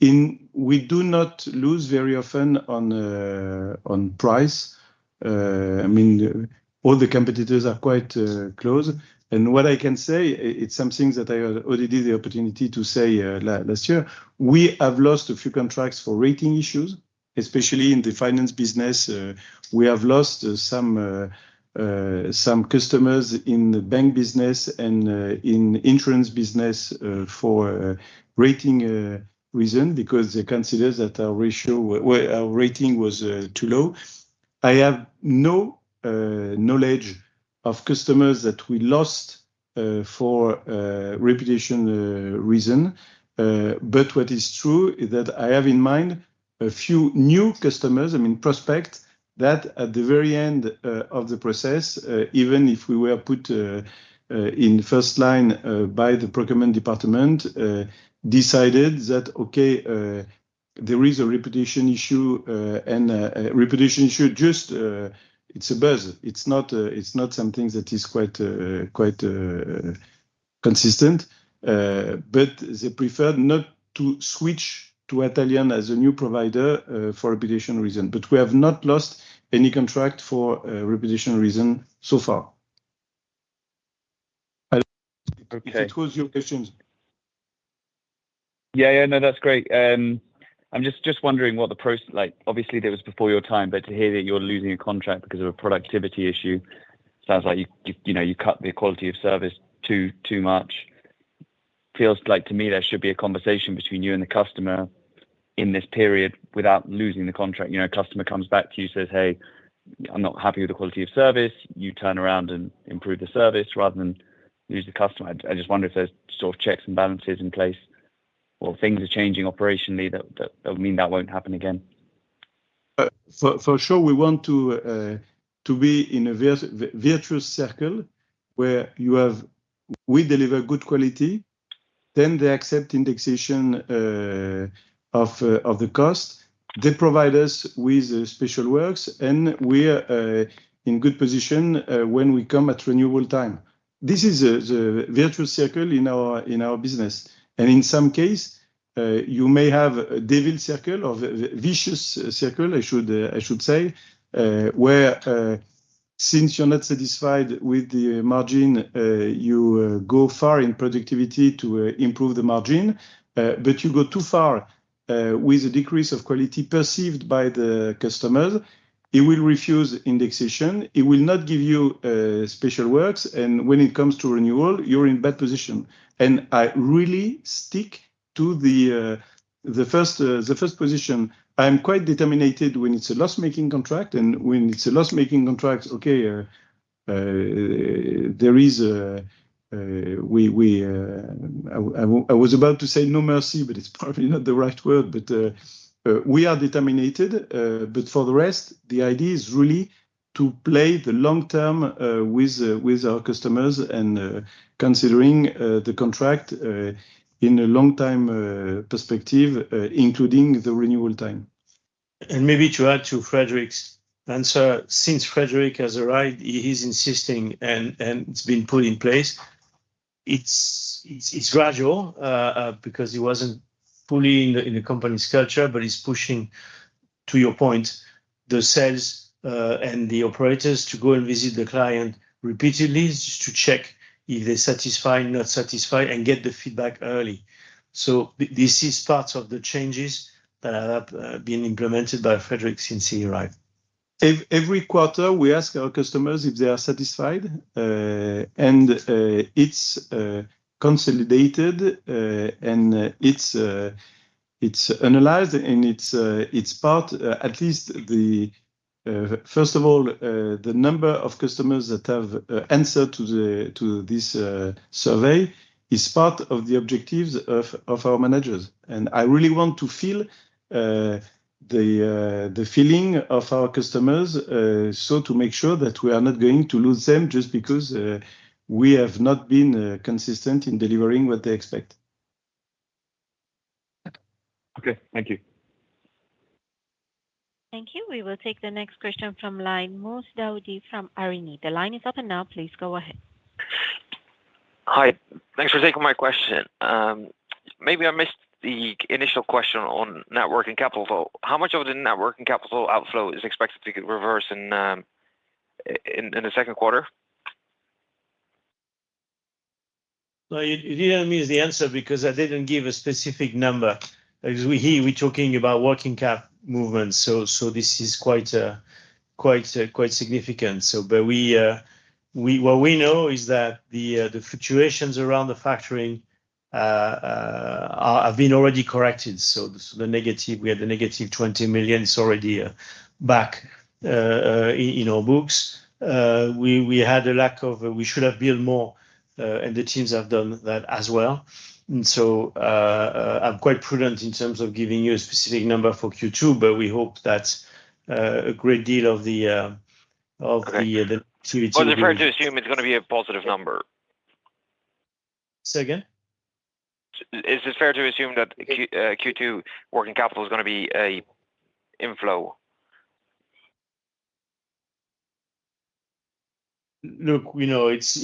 We do not lose very often on price. I mean, all the competitors are quite close. And what I can say, it's something that I already the opportunity to say last year. We have lost a few contracts for rating issues, especially in the finance business. We have lost some customers in the bank business and in insurance business for rating reason because they consider that our ratio, well, our rating was too low. I have no knowledge of customers that we lost for reputation reason. But what is true is that I have in mind a few new customers, I mean, prospects, that at the very end of the process, even if we were put in first line by the procurement department, decided that, okay, there is a reputation issue, and a reputation issue just it's a buzz. It's not it's not something that is quite quite consistent. But they preferred not to switch to Atalian as a new provider for reputation reason. But we have not lost any contract for a reputation reason so far. Okay. If it was your questions. Yeah, yeah. No, that's great. I'm just wondering... Like, obviously that was before your time, but to hear that you're losing a contract because of a productivity issue, sounds like you know you cut the quality of service too much. Feels like to me there should be a conversation between you and the customer in this period without losing the contract. You know, a customer comes back to you, says, "Hey, I'm not happy with the quality of service." You turn around and improve the service rather than lose the customer. I just wonder if there's sort of checks and balances in place or things are changing operationally that would mean that won't happen again. For sure, we want to be in a virtuous circle, where you have... We deliver good quality, then they accept indexation of the cost. They provide us with special works, and we are in good position when we come at renewal time. This is the virtuous circle in our business. And in some case, you may have a devil circle or a vicious circle, I should say, where since you're not satisfied with the margin, you go far in productivity to improve the margin. But you go too far with the decrease of quality perceived by the customers, he will refuse indexation. He will not give you special works, and when it comes to renewal, you're in bad position. I really stick to the first position. I'm quite determined when it's a loss-making contract, and when it's a loss-making contract, I was about to say no mercy, but it's probably not the right word. But we are determined. But for the rest, the idea is really to play the long term with our customers and considering the contract in a long-term perspective, including the renewal time. And maybe to add to Frédéric's answer, since Frédéric has arrived, he's insisting and it's been put in place. It's gradual, because he wasn't fully in the company's culture, but he's pushing, to your point, the sales and the operators to go and visit the client repeatedly just to check if they're satisfied, not satisfied, and get the feedback early. So this is part of the changes that have been implemented by Frédéric since he arrived. Every quarter, we ask our customers if they are satisfied, and it's consolidated, and it's analyzed, and it's part, at least the first of all, the number of customers that have answered to this survey is part of the objectives of our managers. I really want to feel the feeling of our customers, so to make sure that we are not going to lose them just because we have not been consistent in delivering what they expect. Okay. Thank you. Thank you. We will take the next question from line. Mustaba Davoodi from Arini. The line is open now. Please go ahead. Hi. Thanks for taking my question. Maybe I missed the initial question on net working capital, though. How much of the net working capital outflow is expected to get reversed in the Q2? No, you didn't miss the answer because I didn't give a specific number. Because we're here, we're talking about working cap movements, so this is quite significant. So but we what we know is that the fluctuations around the factoring are have been already corrected. So the negative we had the negative 20 million is already back in our books. We had a lack of... We should have billed more, and the teams have done that as well. And so I'm quite prudent in terms of giving you a specific number for Q2, but we hope that a great deal of the of the- Okay. - activity- But it's fair to assume it's gonna be a positive number? Say again. Is it fair to assume that Q2 working capital is gonna be an inflow? Look, you know, it's.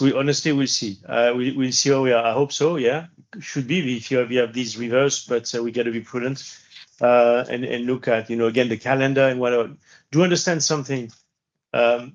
We honestly, we'll see. We'll see how we are. I hope so, yeah. Should be if you have this reversed, but we gotta be prudent and look at, you know, again, the calendar and what are. Do understand something, part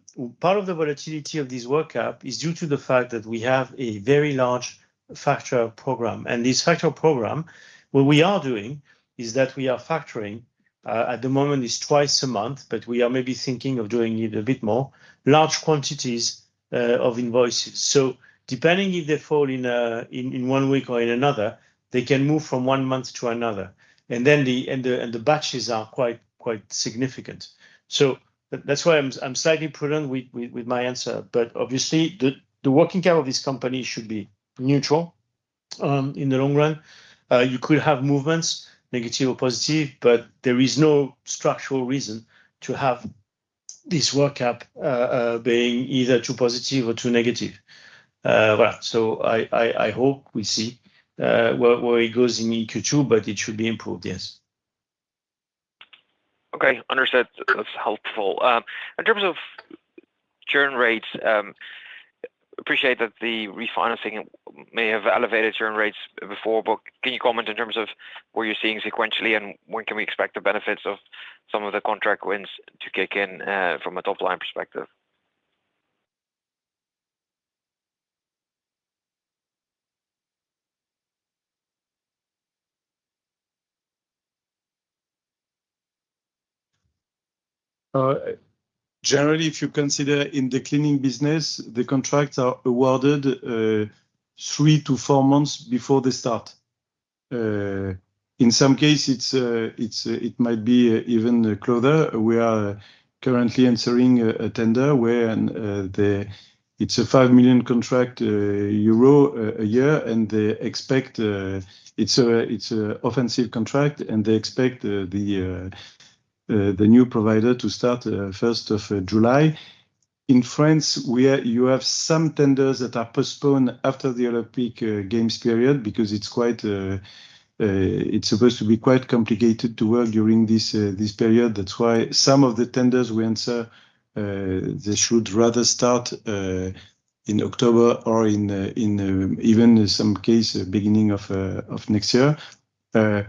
of the volatility of this work cap is due to the fact that we have a very large factor program. And this factor program, what we are doing, is that we are factoring. At the moment, it's twice a month, but we are maybe thinking of doing it a bit more. Large quantities of invoices. So depending if they fall in one week or in another, they can move from one month to another, and then the batches are quite significant. So that's why I'm slightly prudent with my answer. But obviously, the working cap of this company should be neutral in the long run. You could have movements, negative or positive, but there is no structural reason to have this working cap being either too positive or too negative. Well, so I hope we see where it goes in Q2, but it should be improved, yes. Okay, understood. That's helpful. In terms of churn rates, appreciate that the refinancing may have elevated churn rates before, but can you comment in terms of what you're seeing sequentially, and when can we expect the benefits of some of the contract wins to kick in, from a top-line perspective? Generally, if you consider in the cleaning business, the contracts are awarded three to four months before they start. In some case, it might be even closer. We are currently answering a tender where it's a 5 million euro contract a year, and they expect. It's a offensive contract, and they expect the new provider to start first of July. In France, you have some tenders that are postponed after the Olympic Games period because it's quite, it's supposed to be quite complicated to work during this period. That's why some of the tenders we answer, they should rather start in October or in even some case, beginning of next year. And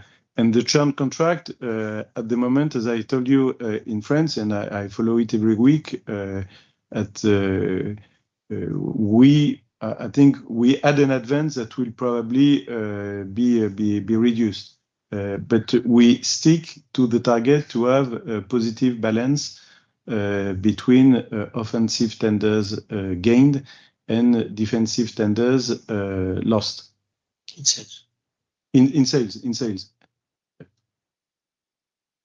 the term contract, at the moment, as I told you, in France, and I follow it every week. I think we had an advance that will probably be reduced. But we stick to the target to have a positive balance between offensive tenders gained and defensive tenders lost. In sales. In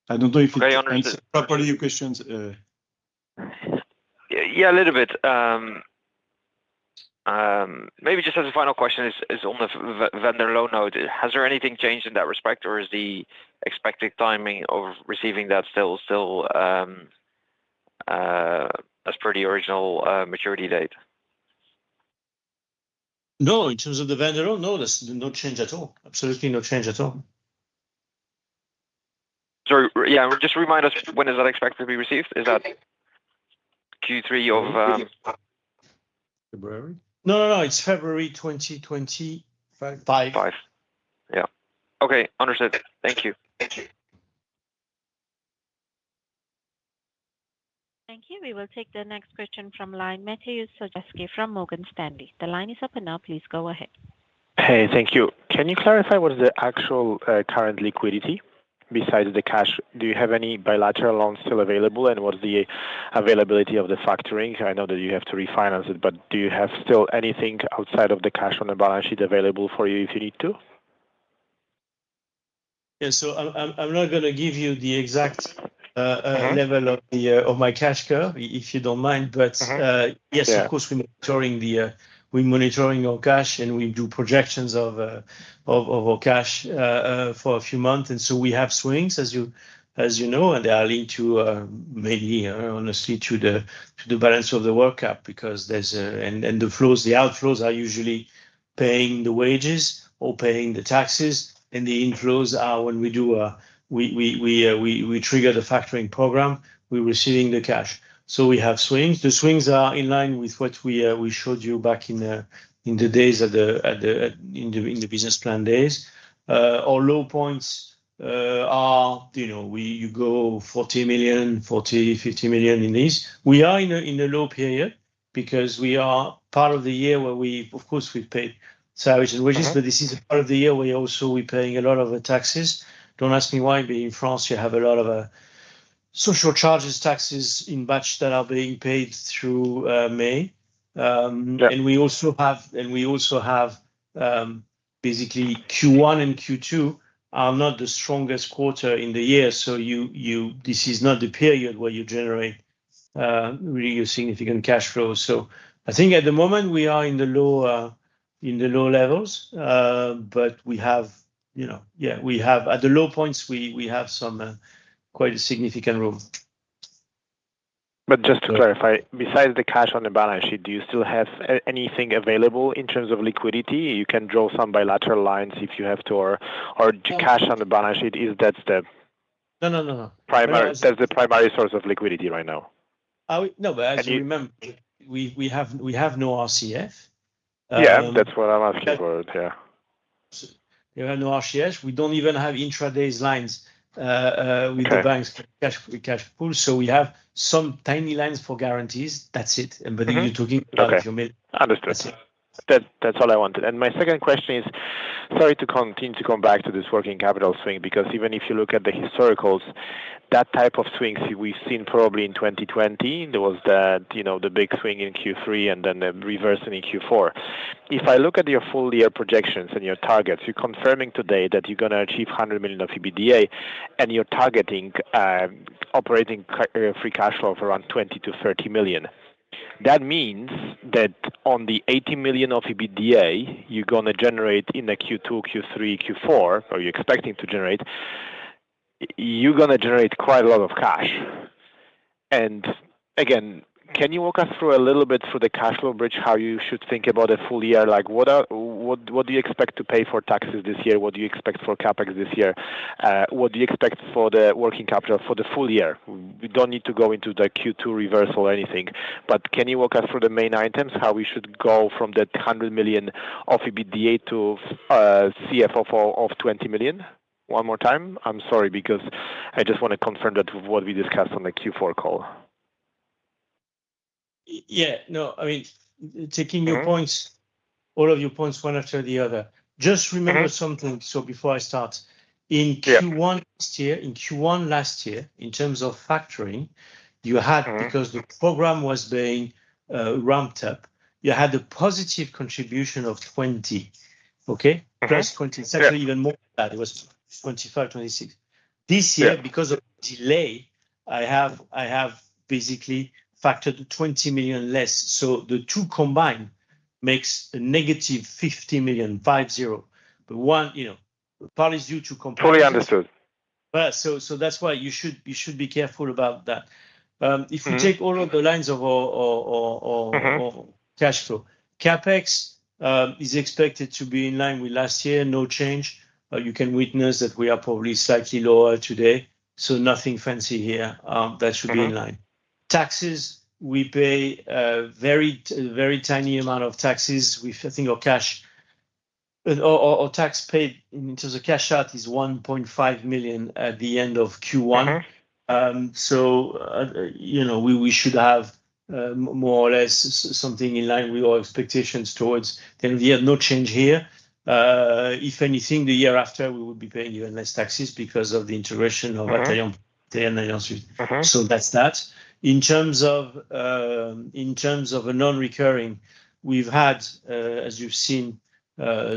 sales. I don't know if it answers properly your questions. Yeah, a little bit. Maybe just as a final question is on the vendor loan note. Has there anything changed in that respect, or is the expected timing of receiving that still as per the original maturity date? No, in terms of the vendor loan, no, there's no change at all. Absolutely no change at all. So, yeah, just remind us, when is that expected to be received? Is that Q3 or, February? No, no, no, it's February 2025. Five. 5. Yeah. Okay, understood. Thank you. Thank you. Thank you. We will take the next question from line. Matthew Szajer from Morgan Stanley. The line is open now. Please go ahead. Hey, thank you. Can you clarify what is the actual current liquidity besides the cash? Do you have any bilateral loans still available, and what's the availability of the factoring? I know that you have to refinance it, but do you have still anything outside of the cash on the balance sheet available for you if you need to? Yeah, so I'm not gonna give you the exact... Mm-hmm... level of the of my cash now, if you don't mind. Mm-hmm. Yeah. Yes, of course, we're monitoring the, we're monitoring our cash, and we do projections of our cash for a few months. So we have swings, as you know, and they are linked to, maybe, honestly, to the balance of the working capital, because there's a... The flows, the outflows are usually paying the wages or paying the taxes, and the inflows are when we do, we trigger the factoring program, we're receiving the cash. So we have swings. The swings are in line with what we showed you back in the days at the business plan days. Our low points are, you know, we, you go 40 million, 40, 50 million in this. We are in a low period because we are part of the year where we, of course, we've paid salaries and wages- Mm-hmm... but this is a part of the year where also we're paying a lot of the taxes. Don't ask me why, but in France, you have a lot of social charges, taxes in batch that are being paid through May. Yeah. And we also have basically Q1 and Q2 are not the strongest quarter in the year. So you, this is not the period where you generate really significant cash flows. So I think at the moment we are in the low levels. But we have, you know... Yeah, we have at the low points, we have some quite significant room. But just to clarify, besides the cash on the balance sheet, do you still have anything available in terms of liquidity? You can draw some bilateral lines if you have to, or cash on the balance sheet, is that the- No, no, no, no -primary, that's the primary source of liquidity right now? No, but as you remember, we have no RCF. Yeah, that's what I'm asking for it. Yeah. We have no RCF. We don't even have intraday lines. Okay... with the bank's cash, the cash pool. So we have some tiny lines for guarantees, that's it. Mm-hmm. But if you're talking about- Okay... understood.... That, that's all I wanted. And my second question is, sorry to continue to come back to this working capital swing, because even if you look at the historicals, that type of swings we've seen probably in 2020, there was the, you know, the big swing in Q3 and then the reverse in Q4. If I look at your full year projections and your targets, you're confirming today that you're gonna achieve 100 million of EBITDA, and you're targeting operating free cash flow of around 20-30 million. That means that on the 80 million of EBITDA, you're gonna generate in the Q2, Q3, Q4, or you're expecting to generate, you're gonna generate quite a lot of cash. And again, can you walk us through a little bit through the cash flow bridge, how you should think about a full year? Like, what do you expect to pay for taxes this year? What do you expect for CapEx this year? What do you expect for the working capital for the full year? We don't need to go into the Q2 reversal or anything, but can you walk us through the main items, how we should go from that 100 million of EBITDA to, CFFO of 20 million one more time? I'm sorry, because I just wanna confirm that with what we discussed on the Q4 call. Yeah. No, I mean, taking your points- Mm-hmm. all of your points, one after the other. Just remember Mm-hmm... something, so before I start. Yeah. In Q1 last year, in terms of factoring, you had- Mm-hmm... because the program was being ramped up, you had a positive contribution of 20, okay? Mm-hmm. Plus twenty. Yeah. Actually, even more than that, it was 25, 26. Yeah. This year, because of delay, I have basically factored 20 million less. So the two combined makes a negative 50 million. But one, you know, part is due to comparison- Totally understood. So that's why you should be careful about that. Mm-hmm... if you take all of the lines of our- Mm-hmm... our cash flow, CapEx, is expected to be in line with last year, no change. You can witness that we are probably slightly lower today, so nothing fancy here. That should be in line. Mm-hmm. Taxes, we pay a very, very tiny amount of taxes with I think our cash. But our tax paid in terms of cash out is 1.5 million at the end of Q1. Mm-hmm. So, you know, we should have more or less something in line with our expectations towards the end. No change here. If anything, the year after, we will be paying even less taxes because of the integration of Atalian- Mm-hmm... So that's that. In terms of, in terms of a non-recurring, we've had, as you've seen,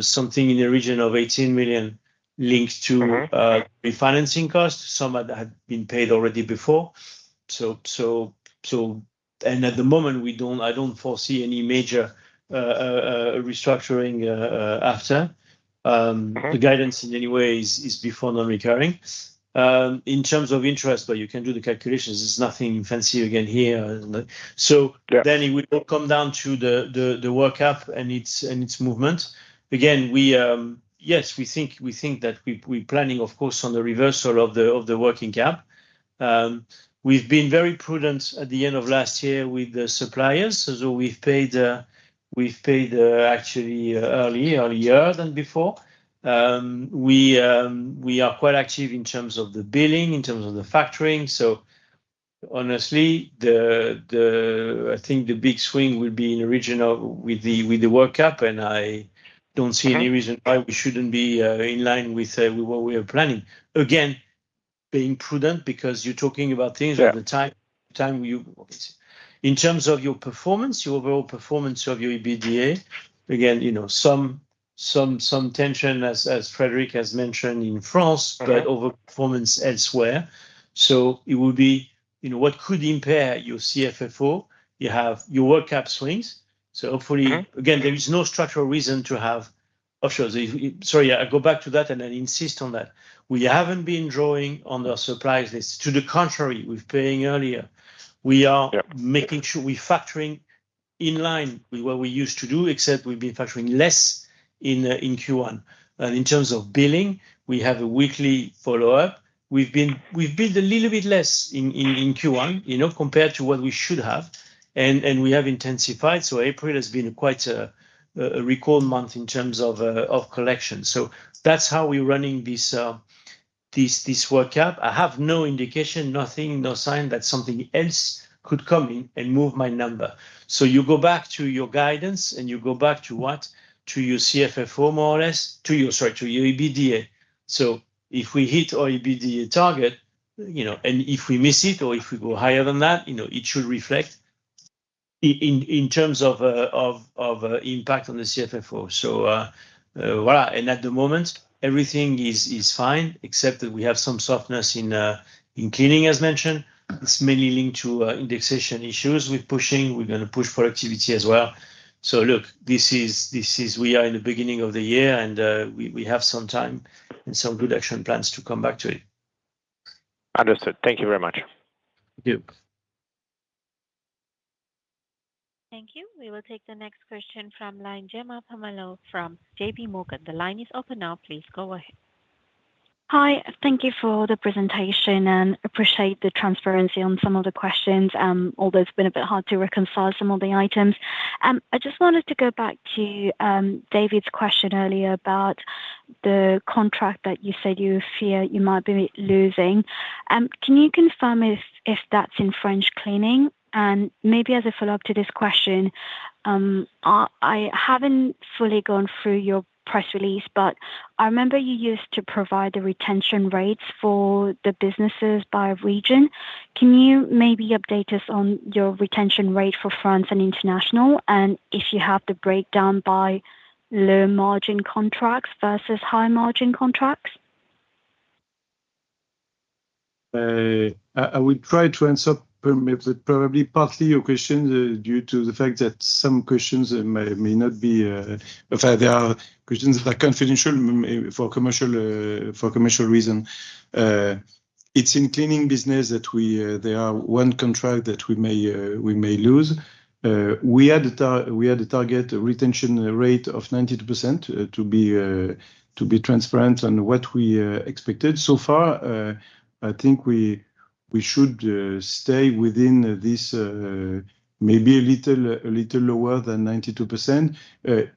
something in the region of 18 million linked to- Mm-hmm... refinancing costs. Some of that had been paid already before. And at the moment, we don't—I don't foresee any major restructuring after. Mm-hmm. The guidance in any way is before non-recurring. In terms of interest, but you can do the calculations, there's nothing fancy again here. So- Yeah... then it will come down to the work cap and its movement. Again, yes, we think that we planning, of course, on the reversal of the working cap. We've been very prudent at the end of last year with the suppliers, so we've paid actually earlier than before. We are quite active in terms of the billing, in terms of the factoring. So honestly, the, I think the big swing will be in the regional with the work cap, and I don't see any reason- Mm-hmm... why we shouldn't be in line with what we are planning. Again, being prudent because you're talking about things- Yeah... at the time you... In terms of your performance, your overall performance of your EBITDA, again, you know, some tension, as Frédéric has mentioned in France- Mm-hmm... but overperformance elsewhere. So it will be, you know, what could impair your CFFO, you have your working capital swings. Mm-hmm. So hopefully, again, there is no structural reason to have options. Sorry, I go back to that and I insist on that. We haven't been drawing on our suppliers list. To the contrary, we're paying earlier. Yeah. We are making sure we're factoring in line with what we used to do, except we've been factoring less in Q1. In terms of billing, we have a weekly follow-up. We've billed a little bit less in Q1, you know, compared to what we should have, and we have intensified. So April has been quite a record month in terms of collection. So that's how we're running this work cap. I have no indication, nothing, no sign that something else could come in and move my number. So you go back to your guidance, and you go back to what? To your CFFO, more or less, to your... Sorry, to your EBITDA. So if we hit our EBITDA target, you know, and if we miss it or if we go higher than that, you know, it should reflect in terms of impact on the CFFO. So, well, and at the moment, everything is fine, except that we have some softness in cleaning, as mentioned. Mm-hmm. It's mainly linked to indexation issues. We're pushing, we're gonna push for activity as well. So look, this is we are in the beginning of the year, and we have some time and some good action plans to come back to it. Understood. Thank you very much. Thank you. Thank you. We will take the next question from line, Gemma Permalloo from JPMorgan. The line is open now. Please go ahead. Hi, thank you for the presentation, and appreciate the transparency on some of the questions, although it's been a bit hard to reconcile some of the items. I just wanted to go back to Davis's question earlier about the contract that you said you fear you might be losing. Can you confirm if that's in France cleaning? And maybe as a follow-up to this question, I haven't fully gone through your press release, but I remember you used to provide the retention rates for the businesses by region. Can you maybe update us on your retention rate for France and international, and if you have the breakdown by low margin contracts versus high margin contracts? I will try to answer perhaps maybe probably partly your question, due to the fact that some questions may not be. In fact, there are questions that are confidential, for commercial reasons. It's in cleaning business that we, there are one contract that we may lose. We had a target retention rate of 92%, to be transparent on what we expected. So far, I think we should stay within this, maybe a little lower than 92%.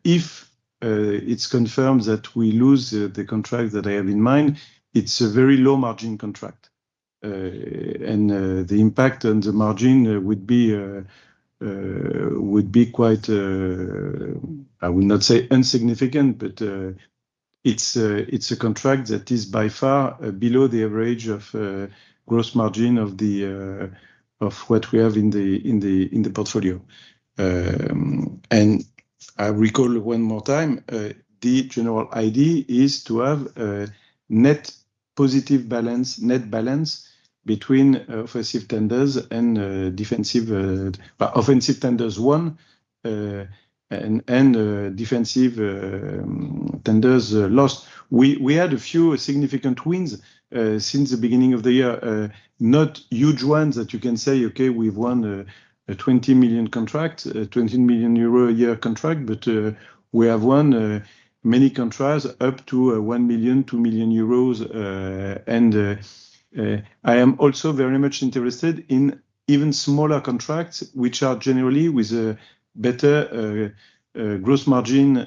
If it's confirmed that we lose the contract that I have in mind, it's a very low margin contract. The impact on the margin would be quite. I would not say insignificant, but it's a contract that is by far below the average gross margin of what we have in the portfolio. And I recall one more time, the general idea is to have a net positive balance, net balance between offensive tenders won and defensive tenders lost. We had a few significant wins since the beginning of the year, not huge ones that you can say, "Okay, we've won a 20 million contract, 20 million euro a year contract," but we have won many contracts up to 1 million, 2 million euros. I am also very much interested in even smaller contracts, which are generally with a better gross margin.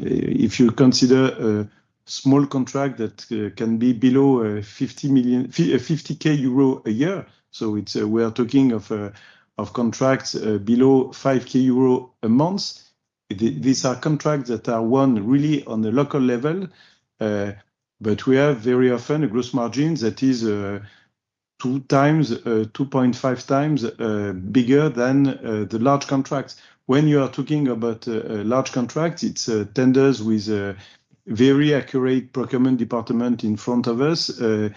If you consider a small contract that can be below 50,000 euro a year, so it's we are talking of contracts below 5,000 euro a month. These are contracts that are won really on the local level, but we have very often a gross margin that is two times, 2.5 times bigger than the large contracts. When you are talking about a large contract, it's tenders with a very accurate procurement department in front of us. They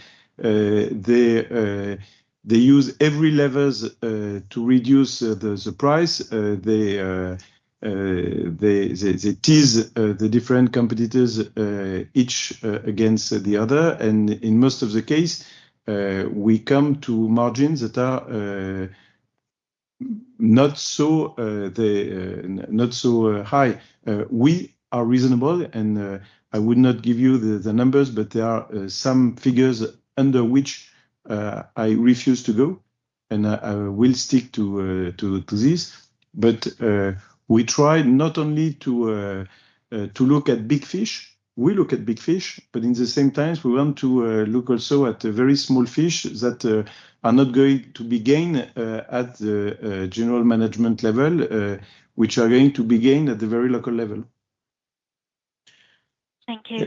use every levers to reduce the price. They tease the different competitors each against the other, and in most of the case, we come to margins that are not so high. We are reasonable and I would not give you the numbers, but there are some figures under which I refuse to go, and I will stick to this. But we try not only to look at big fish. We look at big fish, but in the same time, we want to look also at the very small fish that are not going to be gained at the general management level, which are going to be gained at the very local level. Thank you.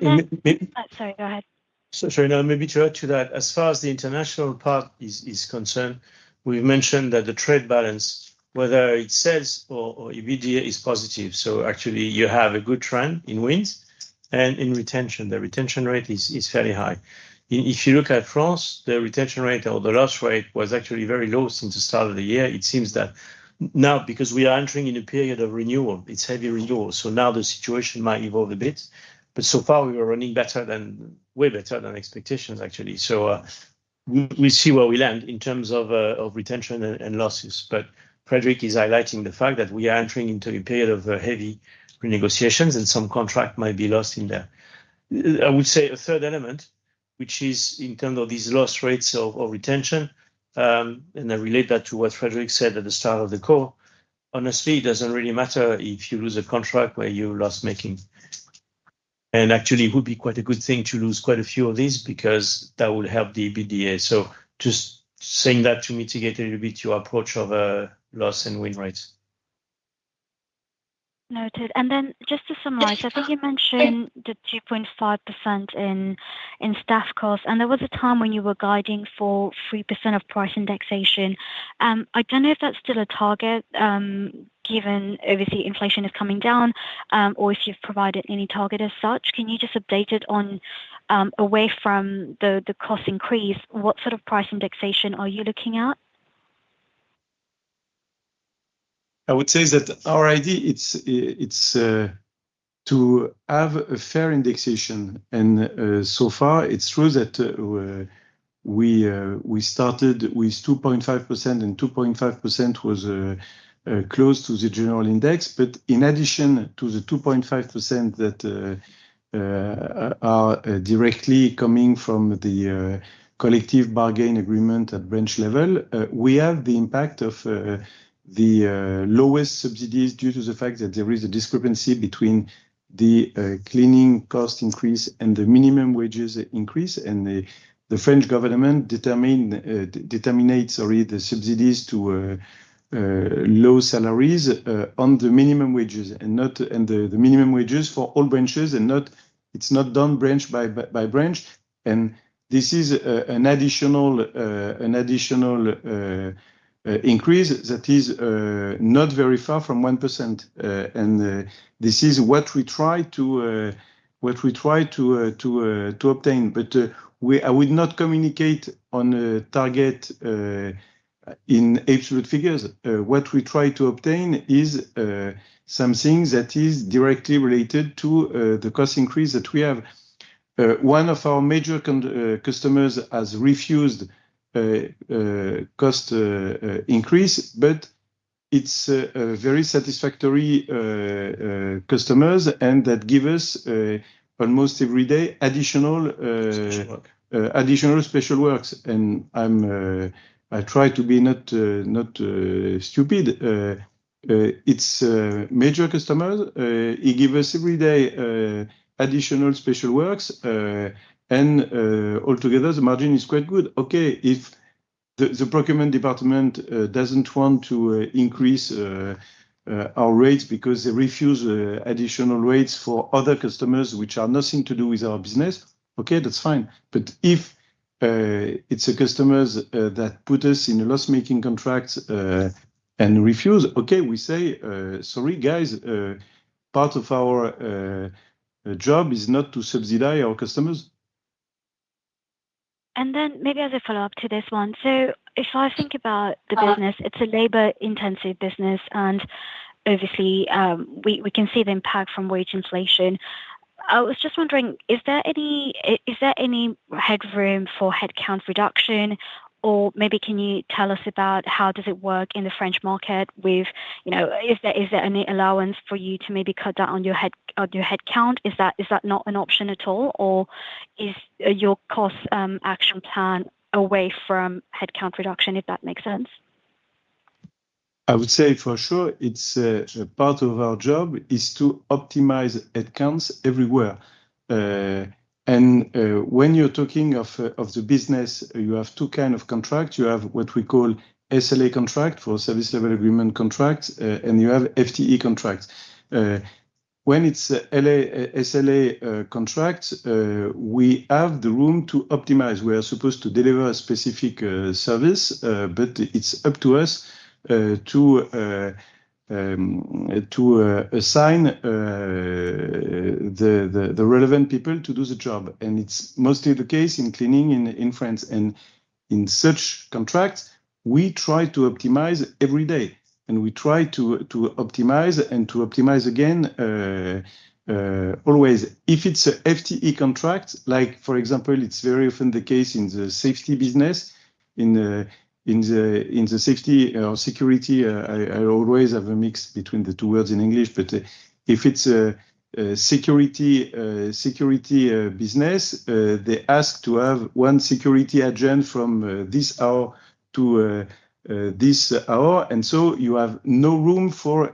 And, uh- Sorry, go ahead. So, sorry, now maybe to add to that, as far as the international part is concerned, we've mentioned that the trade balance, whether it sells or EBITDA is positive, so actually you have a good trend in wins and in retention. The retention rate is fairly high. If you look at France, the retention rate or the loss rate was actually very low since the start of the year. It seems that now, because we are entering in a period of renewal, it's heavy renewal, so now the situation might evolve a bit, but so far we are running better than... way better than expectations, actually. We see where we land in terms of retention and losses. But Frédéric is highlighting the fact that we are entering into a period of heavy renegotiations, and some contract might be lost in there. I would say a third element, which is in terms of these loss rates of retention, and I relate that to what Frédéric said at the start of the call. Honestly, it doesn't really matter if you lose a contract where you're loss-making. And actually, it would be quite a good thing to lose quite a few of these because that would help the EBITDA. So just saying that to mitigate a little bit your approach of loss and win rates. Noted. Then just to summarize, I think you mentioned the 2.5% in staff costs, and there was a time when you were guiding for 3% price indexation. I don't know if that's still a target, given obviously inflation is coming down, or if you've provided any target as such. Can you just update it on away from the cost increase, what sort of price indexation are you looking at? I would say that our idea, it's, to have a fair indexation, and, so far, it's true that, we started with 2.5%, and 2.5% was, close to the general index. But in addition to the 2.5% that, are directly coming from the, collective bargaining agreement at branch level. We have the impact of the lowest subsidies due to the fact that there is a discrepancy between the cleaning cost increase and the minimum wages increase, and the French government determines the subsidies to low salaries on the minimum wages and not the minimum wages for all branches, and not. It's not done branch by branch, and this is an additional increase that is not very far from 1%. And this is what we try to obtain. But we... I would not communicate on a target in absolute figures. What we try to obtain is something that is directly related to the cost increase that we have. One of our major customers has refused a cost increase, but it's a very satisfactory customers, and that give us almost every day additional Special work. additional special works, and I try to be not stupid. It's a major customer. He give us every day, additional special works, and, altogether, the margin is quite good. Okay, if the procurement department doesn't want to increase our rates because they refuse additional rates for other customers, which are nothing to do with our business, okay, that's fine. But if it's a customers that put us in a loss-making contract and refuse, okay, we say, "Sorry, guys, part of our job is not to subsidize our customers. And then maybe as a follow-up to this one, so if I think about the business, it's a labor-intensive business, and obviously, we, we can see the impact from wage inflation. I was just wondering, is there any headroom for headcount reduction? Or maybe can you tell us about how does it work in the French market with, you know, is there any allowance for you to maybe cut down on your headcount? Is that not an option at all, or is your cost action plan away from headcount reduction, if that makes sense? I would say for sure, it's part of our job is to optimize headcounts everywhere. And when you're talking of the business, you have two kind of contract. You have what we call SLA contract, for service level agreement contract, and you have FTE contracts. When it's SLA contract, we have the room to optimize. We are supposed to deliver a specific service, but it's up to us to assign the relevant people to do the job, and it's mostly the case in cleaning in France. And in such contracts, we try to optimize every day, and we try to optimize and to optimize again, always. If it's a FTE contract, like, for example, it's very often the case in the safety business, in the safety or security, I always have a mix between the two words in English, but if it's a security business, they ask to have one security agent from this hour to this hour, and so you have no room for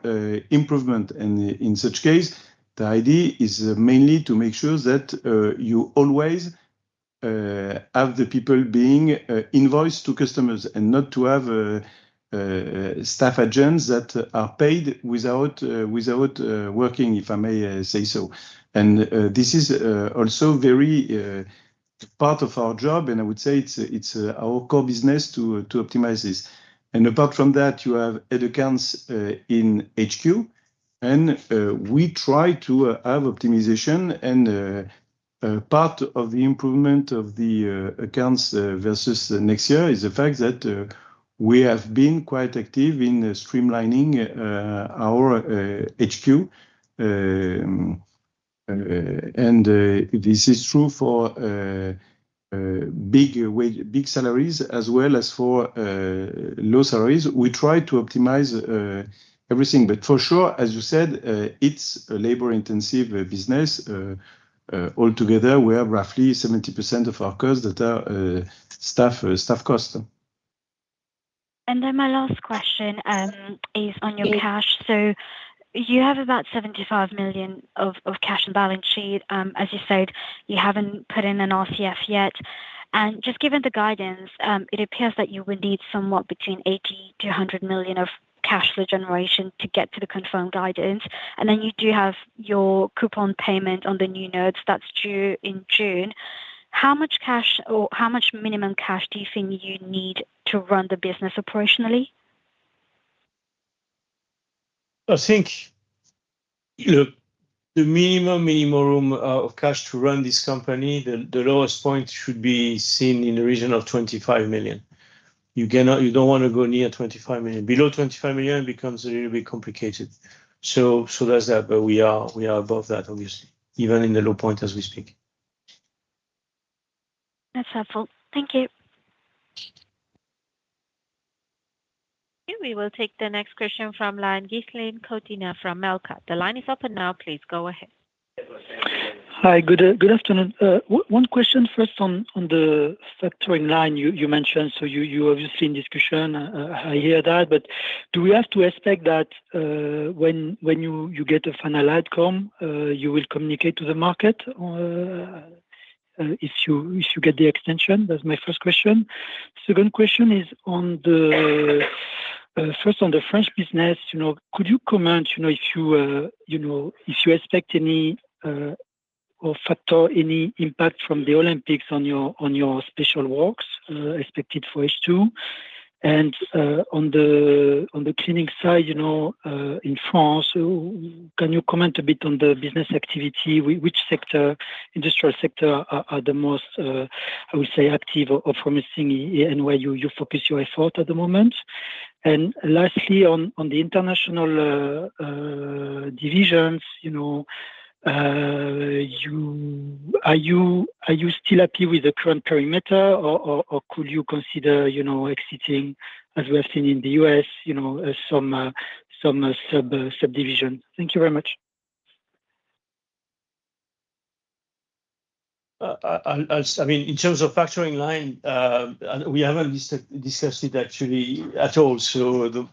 improvement. And in such case, the idea is mainly to make sure that you always have the people being invoiced to customers and not to have staff agents that are paid without working, if I may say so. And this is also very part of our job, and I would say it's our core business to optimize this. Apart from that, you have headcounts in HQ, and we try to have optimization, and part of the improvement of the accounts versus next year is the fact that we have been quite active in streamlining our HQ. And this is true for high wage, high salaries as well as for low salaries. We try to optimize everything, but for sure, as you said, it's a labor-intensive business. Altogether, we have roughly 70% of our costs that are staff cost. And then my last question is on your cash. So you have about 75 million of cash in balance sheet. As you said, you haven't put in an RCF yet, and just given the guidance, it appears that you would need somewhat between 80 million-100 million of cash flow generation to get to the confirmed guidance. And then you do have your coupon payment on the new notes that's due in June. How much cash or how much minimum cash do you think you need to run the business operationally? I think, look, the minimum, minimum of cash to run this company, the lowest point should be seen in the region of 25 million. You cannot. You don't want to go near 25 million. Below 25 million, it becomes a little bit complicated. So that's that, but we are above that, obviously, even in the low point as we speak. That's helpful. Thank you.... We will take the next question from line, Ghislain de Cotentin from Melqart. The line is open now, please go ahead. Hi, good afternoon. One question first on the factoring line you mentioned. So you obviously in discussion, I hear that, but do we have to expect that when you get a final outcome, you will communicate to the market if you get the extension? That's my first question. Second question is on the first, on the French business, you know, could you comment, you know, if you expect any or factor any impact from the Olympics on your special works expected for H2? And on the cleaning side, you know, in France, can you comment a bit on the business activity? Which sector, industrial sector are the most, I would say, active or promising and where you focus your effort at the moment? And lastly, on the international divisions, you know, are you still happy with the current perimeter or could you consider, you know, exiting, as we have seen in the U.S, you know, some sub, subdivision? Thank you very much. I mean, in terms of factoring line, we haven't discussed it actually at all. So,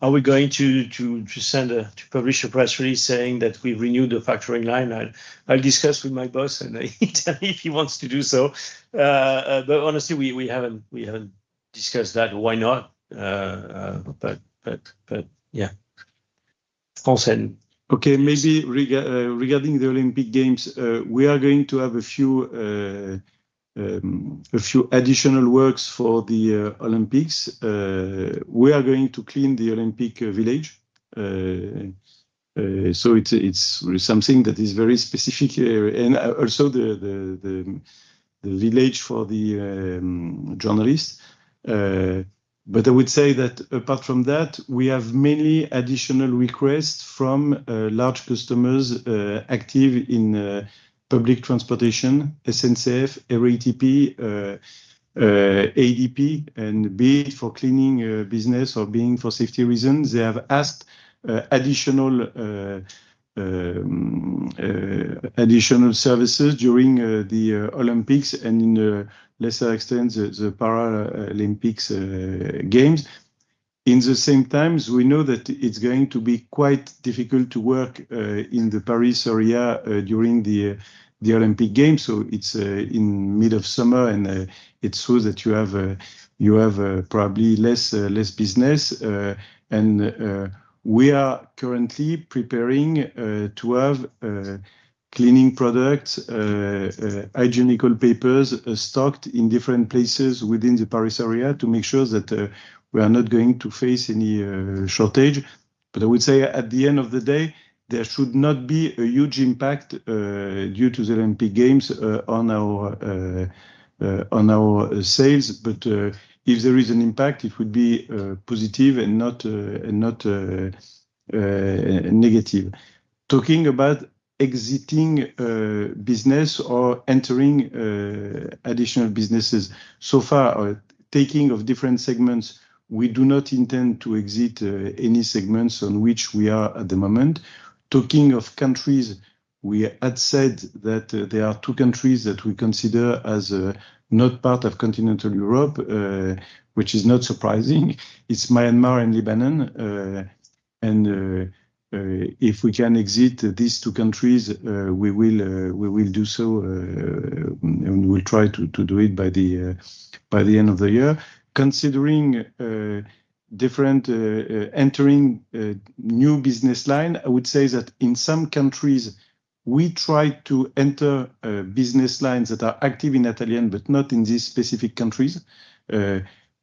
are we going to publish a press release saying that we renewed the factoring line? I'll discuss with my boss, and I'll tell him if he wants to do so. But honestly, we haven't discussed that. Why not? But yeah. France then. Okay, maybe regarding the Olympic Games, we are going to have a few additional works for the Olympics. We are going to clean the Olympic Village. So it's something that is very specific here. And also the village for the journalists. But I would say that apart from that, we have many additional requests from large customers active in public transportation, SNCF, RATP, ADP, and B for cleaning business or being for safety reasons. They have asked additional services during the Olympics and to a lesser extent, the Paralympic Games. At the same time, we know that it's going to be quite difficult to work in the Paris area during the Olympic Games. So it's in the middle of summer, and it's so that you have probably less business. And we are currently preparing to have cleaning products, hygienic papers stocked in different places within the Paris area to make sure that we are not going to face any shortage. But I would say at the end of the day, there should not be a huge impact due to the Olympic Games on our sales. But if there is an impact, it would be positive and not negative. Talking about exiting business or entering additional businesses. So far, our taking of different segments, we do not intend to exit any segments on which we are at the moment. Talking of countries, we had said that there are two countries that we consider as not part of continental Europe, which is not surprising. It's Myanmar and Lebanon. If we can exit these two countries, we will do so, and we'll try to do it by the end of the year. Considering different entering new business line, I would say that in some countries, we try to enter business lines that are active in Atalian but not in these specific countries.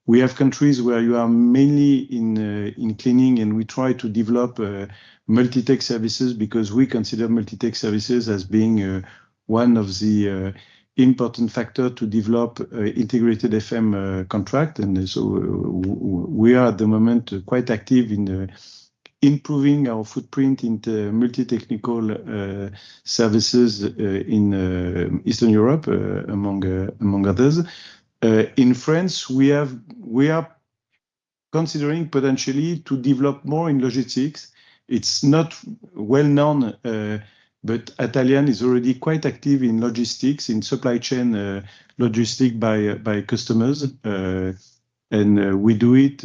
We have countries where you are mainly in cleaning, and we try to develop multi-tech services because we consider multi-tech services as being one of the important factor to develop integrated FM contract. And so we are, at the moment, quite active in improving our footprint into multi-technical services in Eastern Europe, among others. In France, we are considering potentially to develop more in logistics. It's not well known, but Atalian is already quite active in logistics, in supply chain, logistics by customers. And we do it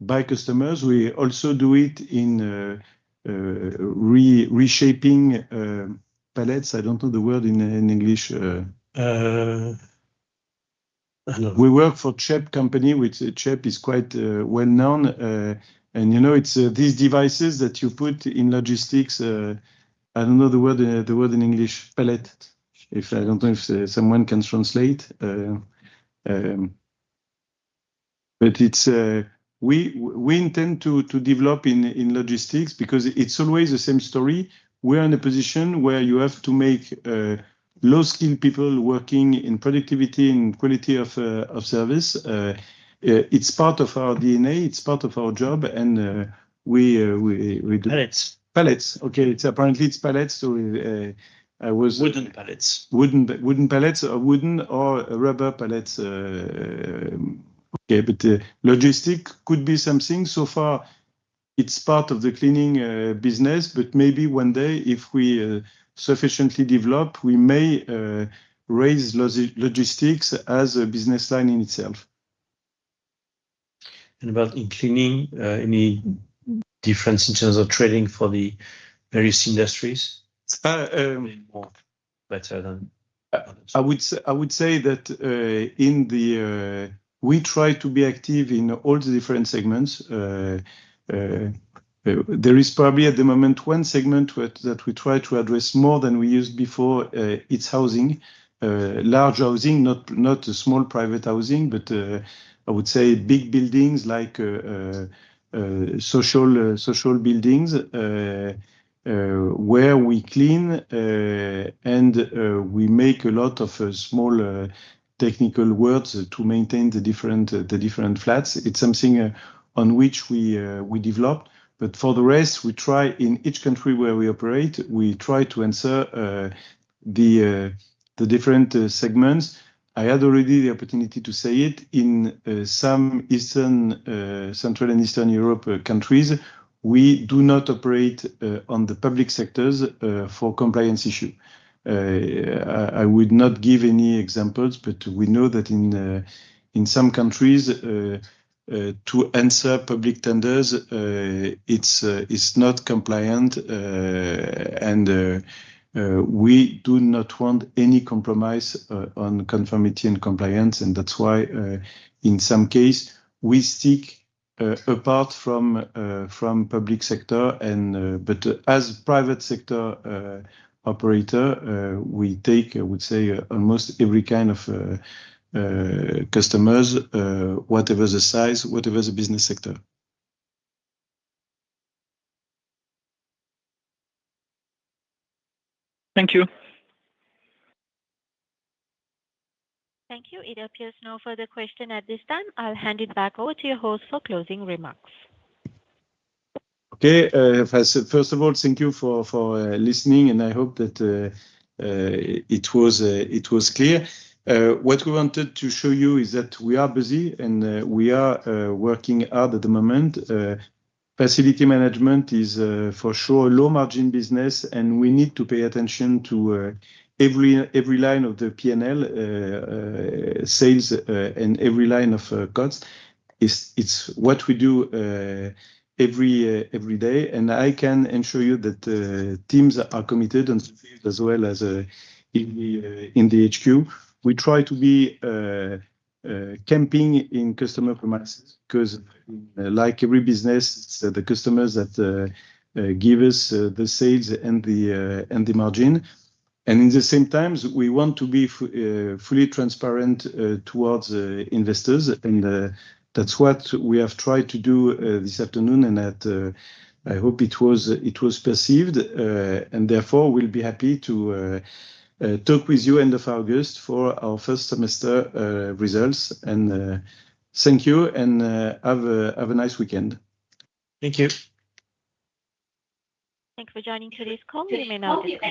by customers. We also do it in reshaping pallets. I don't know the word in English. Uh, no. We work for CHEP Company, which CHEP is quite well known, and, you know, it's these devices that you put in logistics. I don't know the word, the word in English, pallet. If someone can translate. But it's we intend to develop in logistics because it's always the same story. We are in a position where you have to make low-skill people working in productivity, in quality of service. It's part of our DNA, it's part of our job, and we, we, we- Pallets. Pallets. Okay, it's apparently it's pallets, so, I was- Wooden pallets. Wooden, wooden pallets. Wooden or rubber pallets, okay, but logistics could be something. So far it's part of the cleaning business, but maybe one day if we sufficiently develop, we may raise logistics as a business line in itself. About in cleaning, any difference in terms of trading for the various industries? Uh, um- Better than others. I would say that in the we try to be active in all the different segments. There is probably at the moment one segment that we try to address more than we used before, it's housing. Large housing, not a small private housing, but I would say big buildings like social buildings where we clean and we make a lot of small technical works to maintain the different flats. It's something on which we developed, but for the rest, we try in each country where we operate, we try to answer the different segments. I had already the opportunity to say it, in some Eastern Central and Eastern Europe countries, we do not operate on the public sectors for compliance issue. I would not give any examples, but we know that in some countries, to answer public tenders, it's not compliant. And we do not want any compromise on conformity and compliance, and that's why, in some case, we stick apart from public sector and... But as private sector operator, we take, I would say, almost every kind of customers, whatever the size, whatever the business sector. Thank you. Thank you. It appears no further question at this time. I'll hand it back over to your host for closing remarks. Okay. First of all, thank you for listening, and I hope that it was clear. What we wanted to show you is that we are busy and we are working hard at the moment. Facility management is for sure a low-margin business, and we need to pay attention to every line of the P&L, sales, and every line of costs. It's what we do every day, and I can assure you that the teams are committed on the field as well as in the HQ. We try to be camping in customer premises, 'cause like every business, it's the customers that give us the sales and the margin. And in the same times, we want to be fully transparent towards investors, and that's what we have tried to do this afternoon, and that I hope it was perceived. And therefore, we'll be happy to talk with you end of August for our first semester results. And thank you, and have a nice weekend. Thank you. Thanks for joining today's call. You may now disconnect.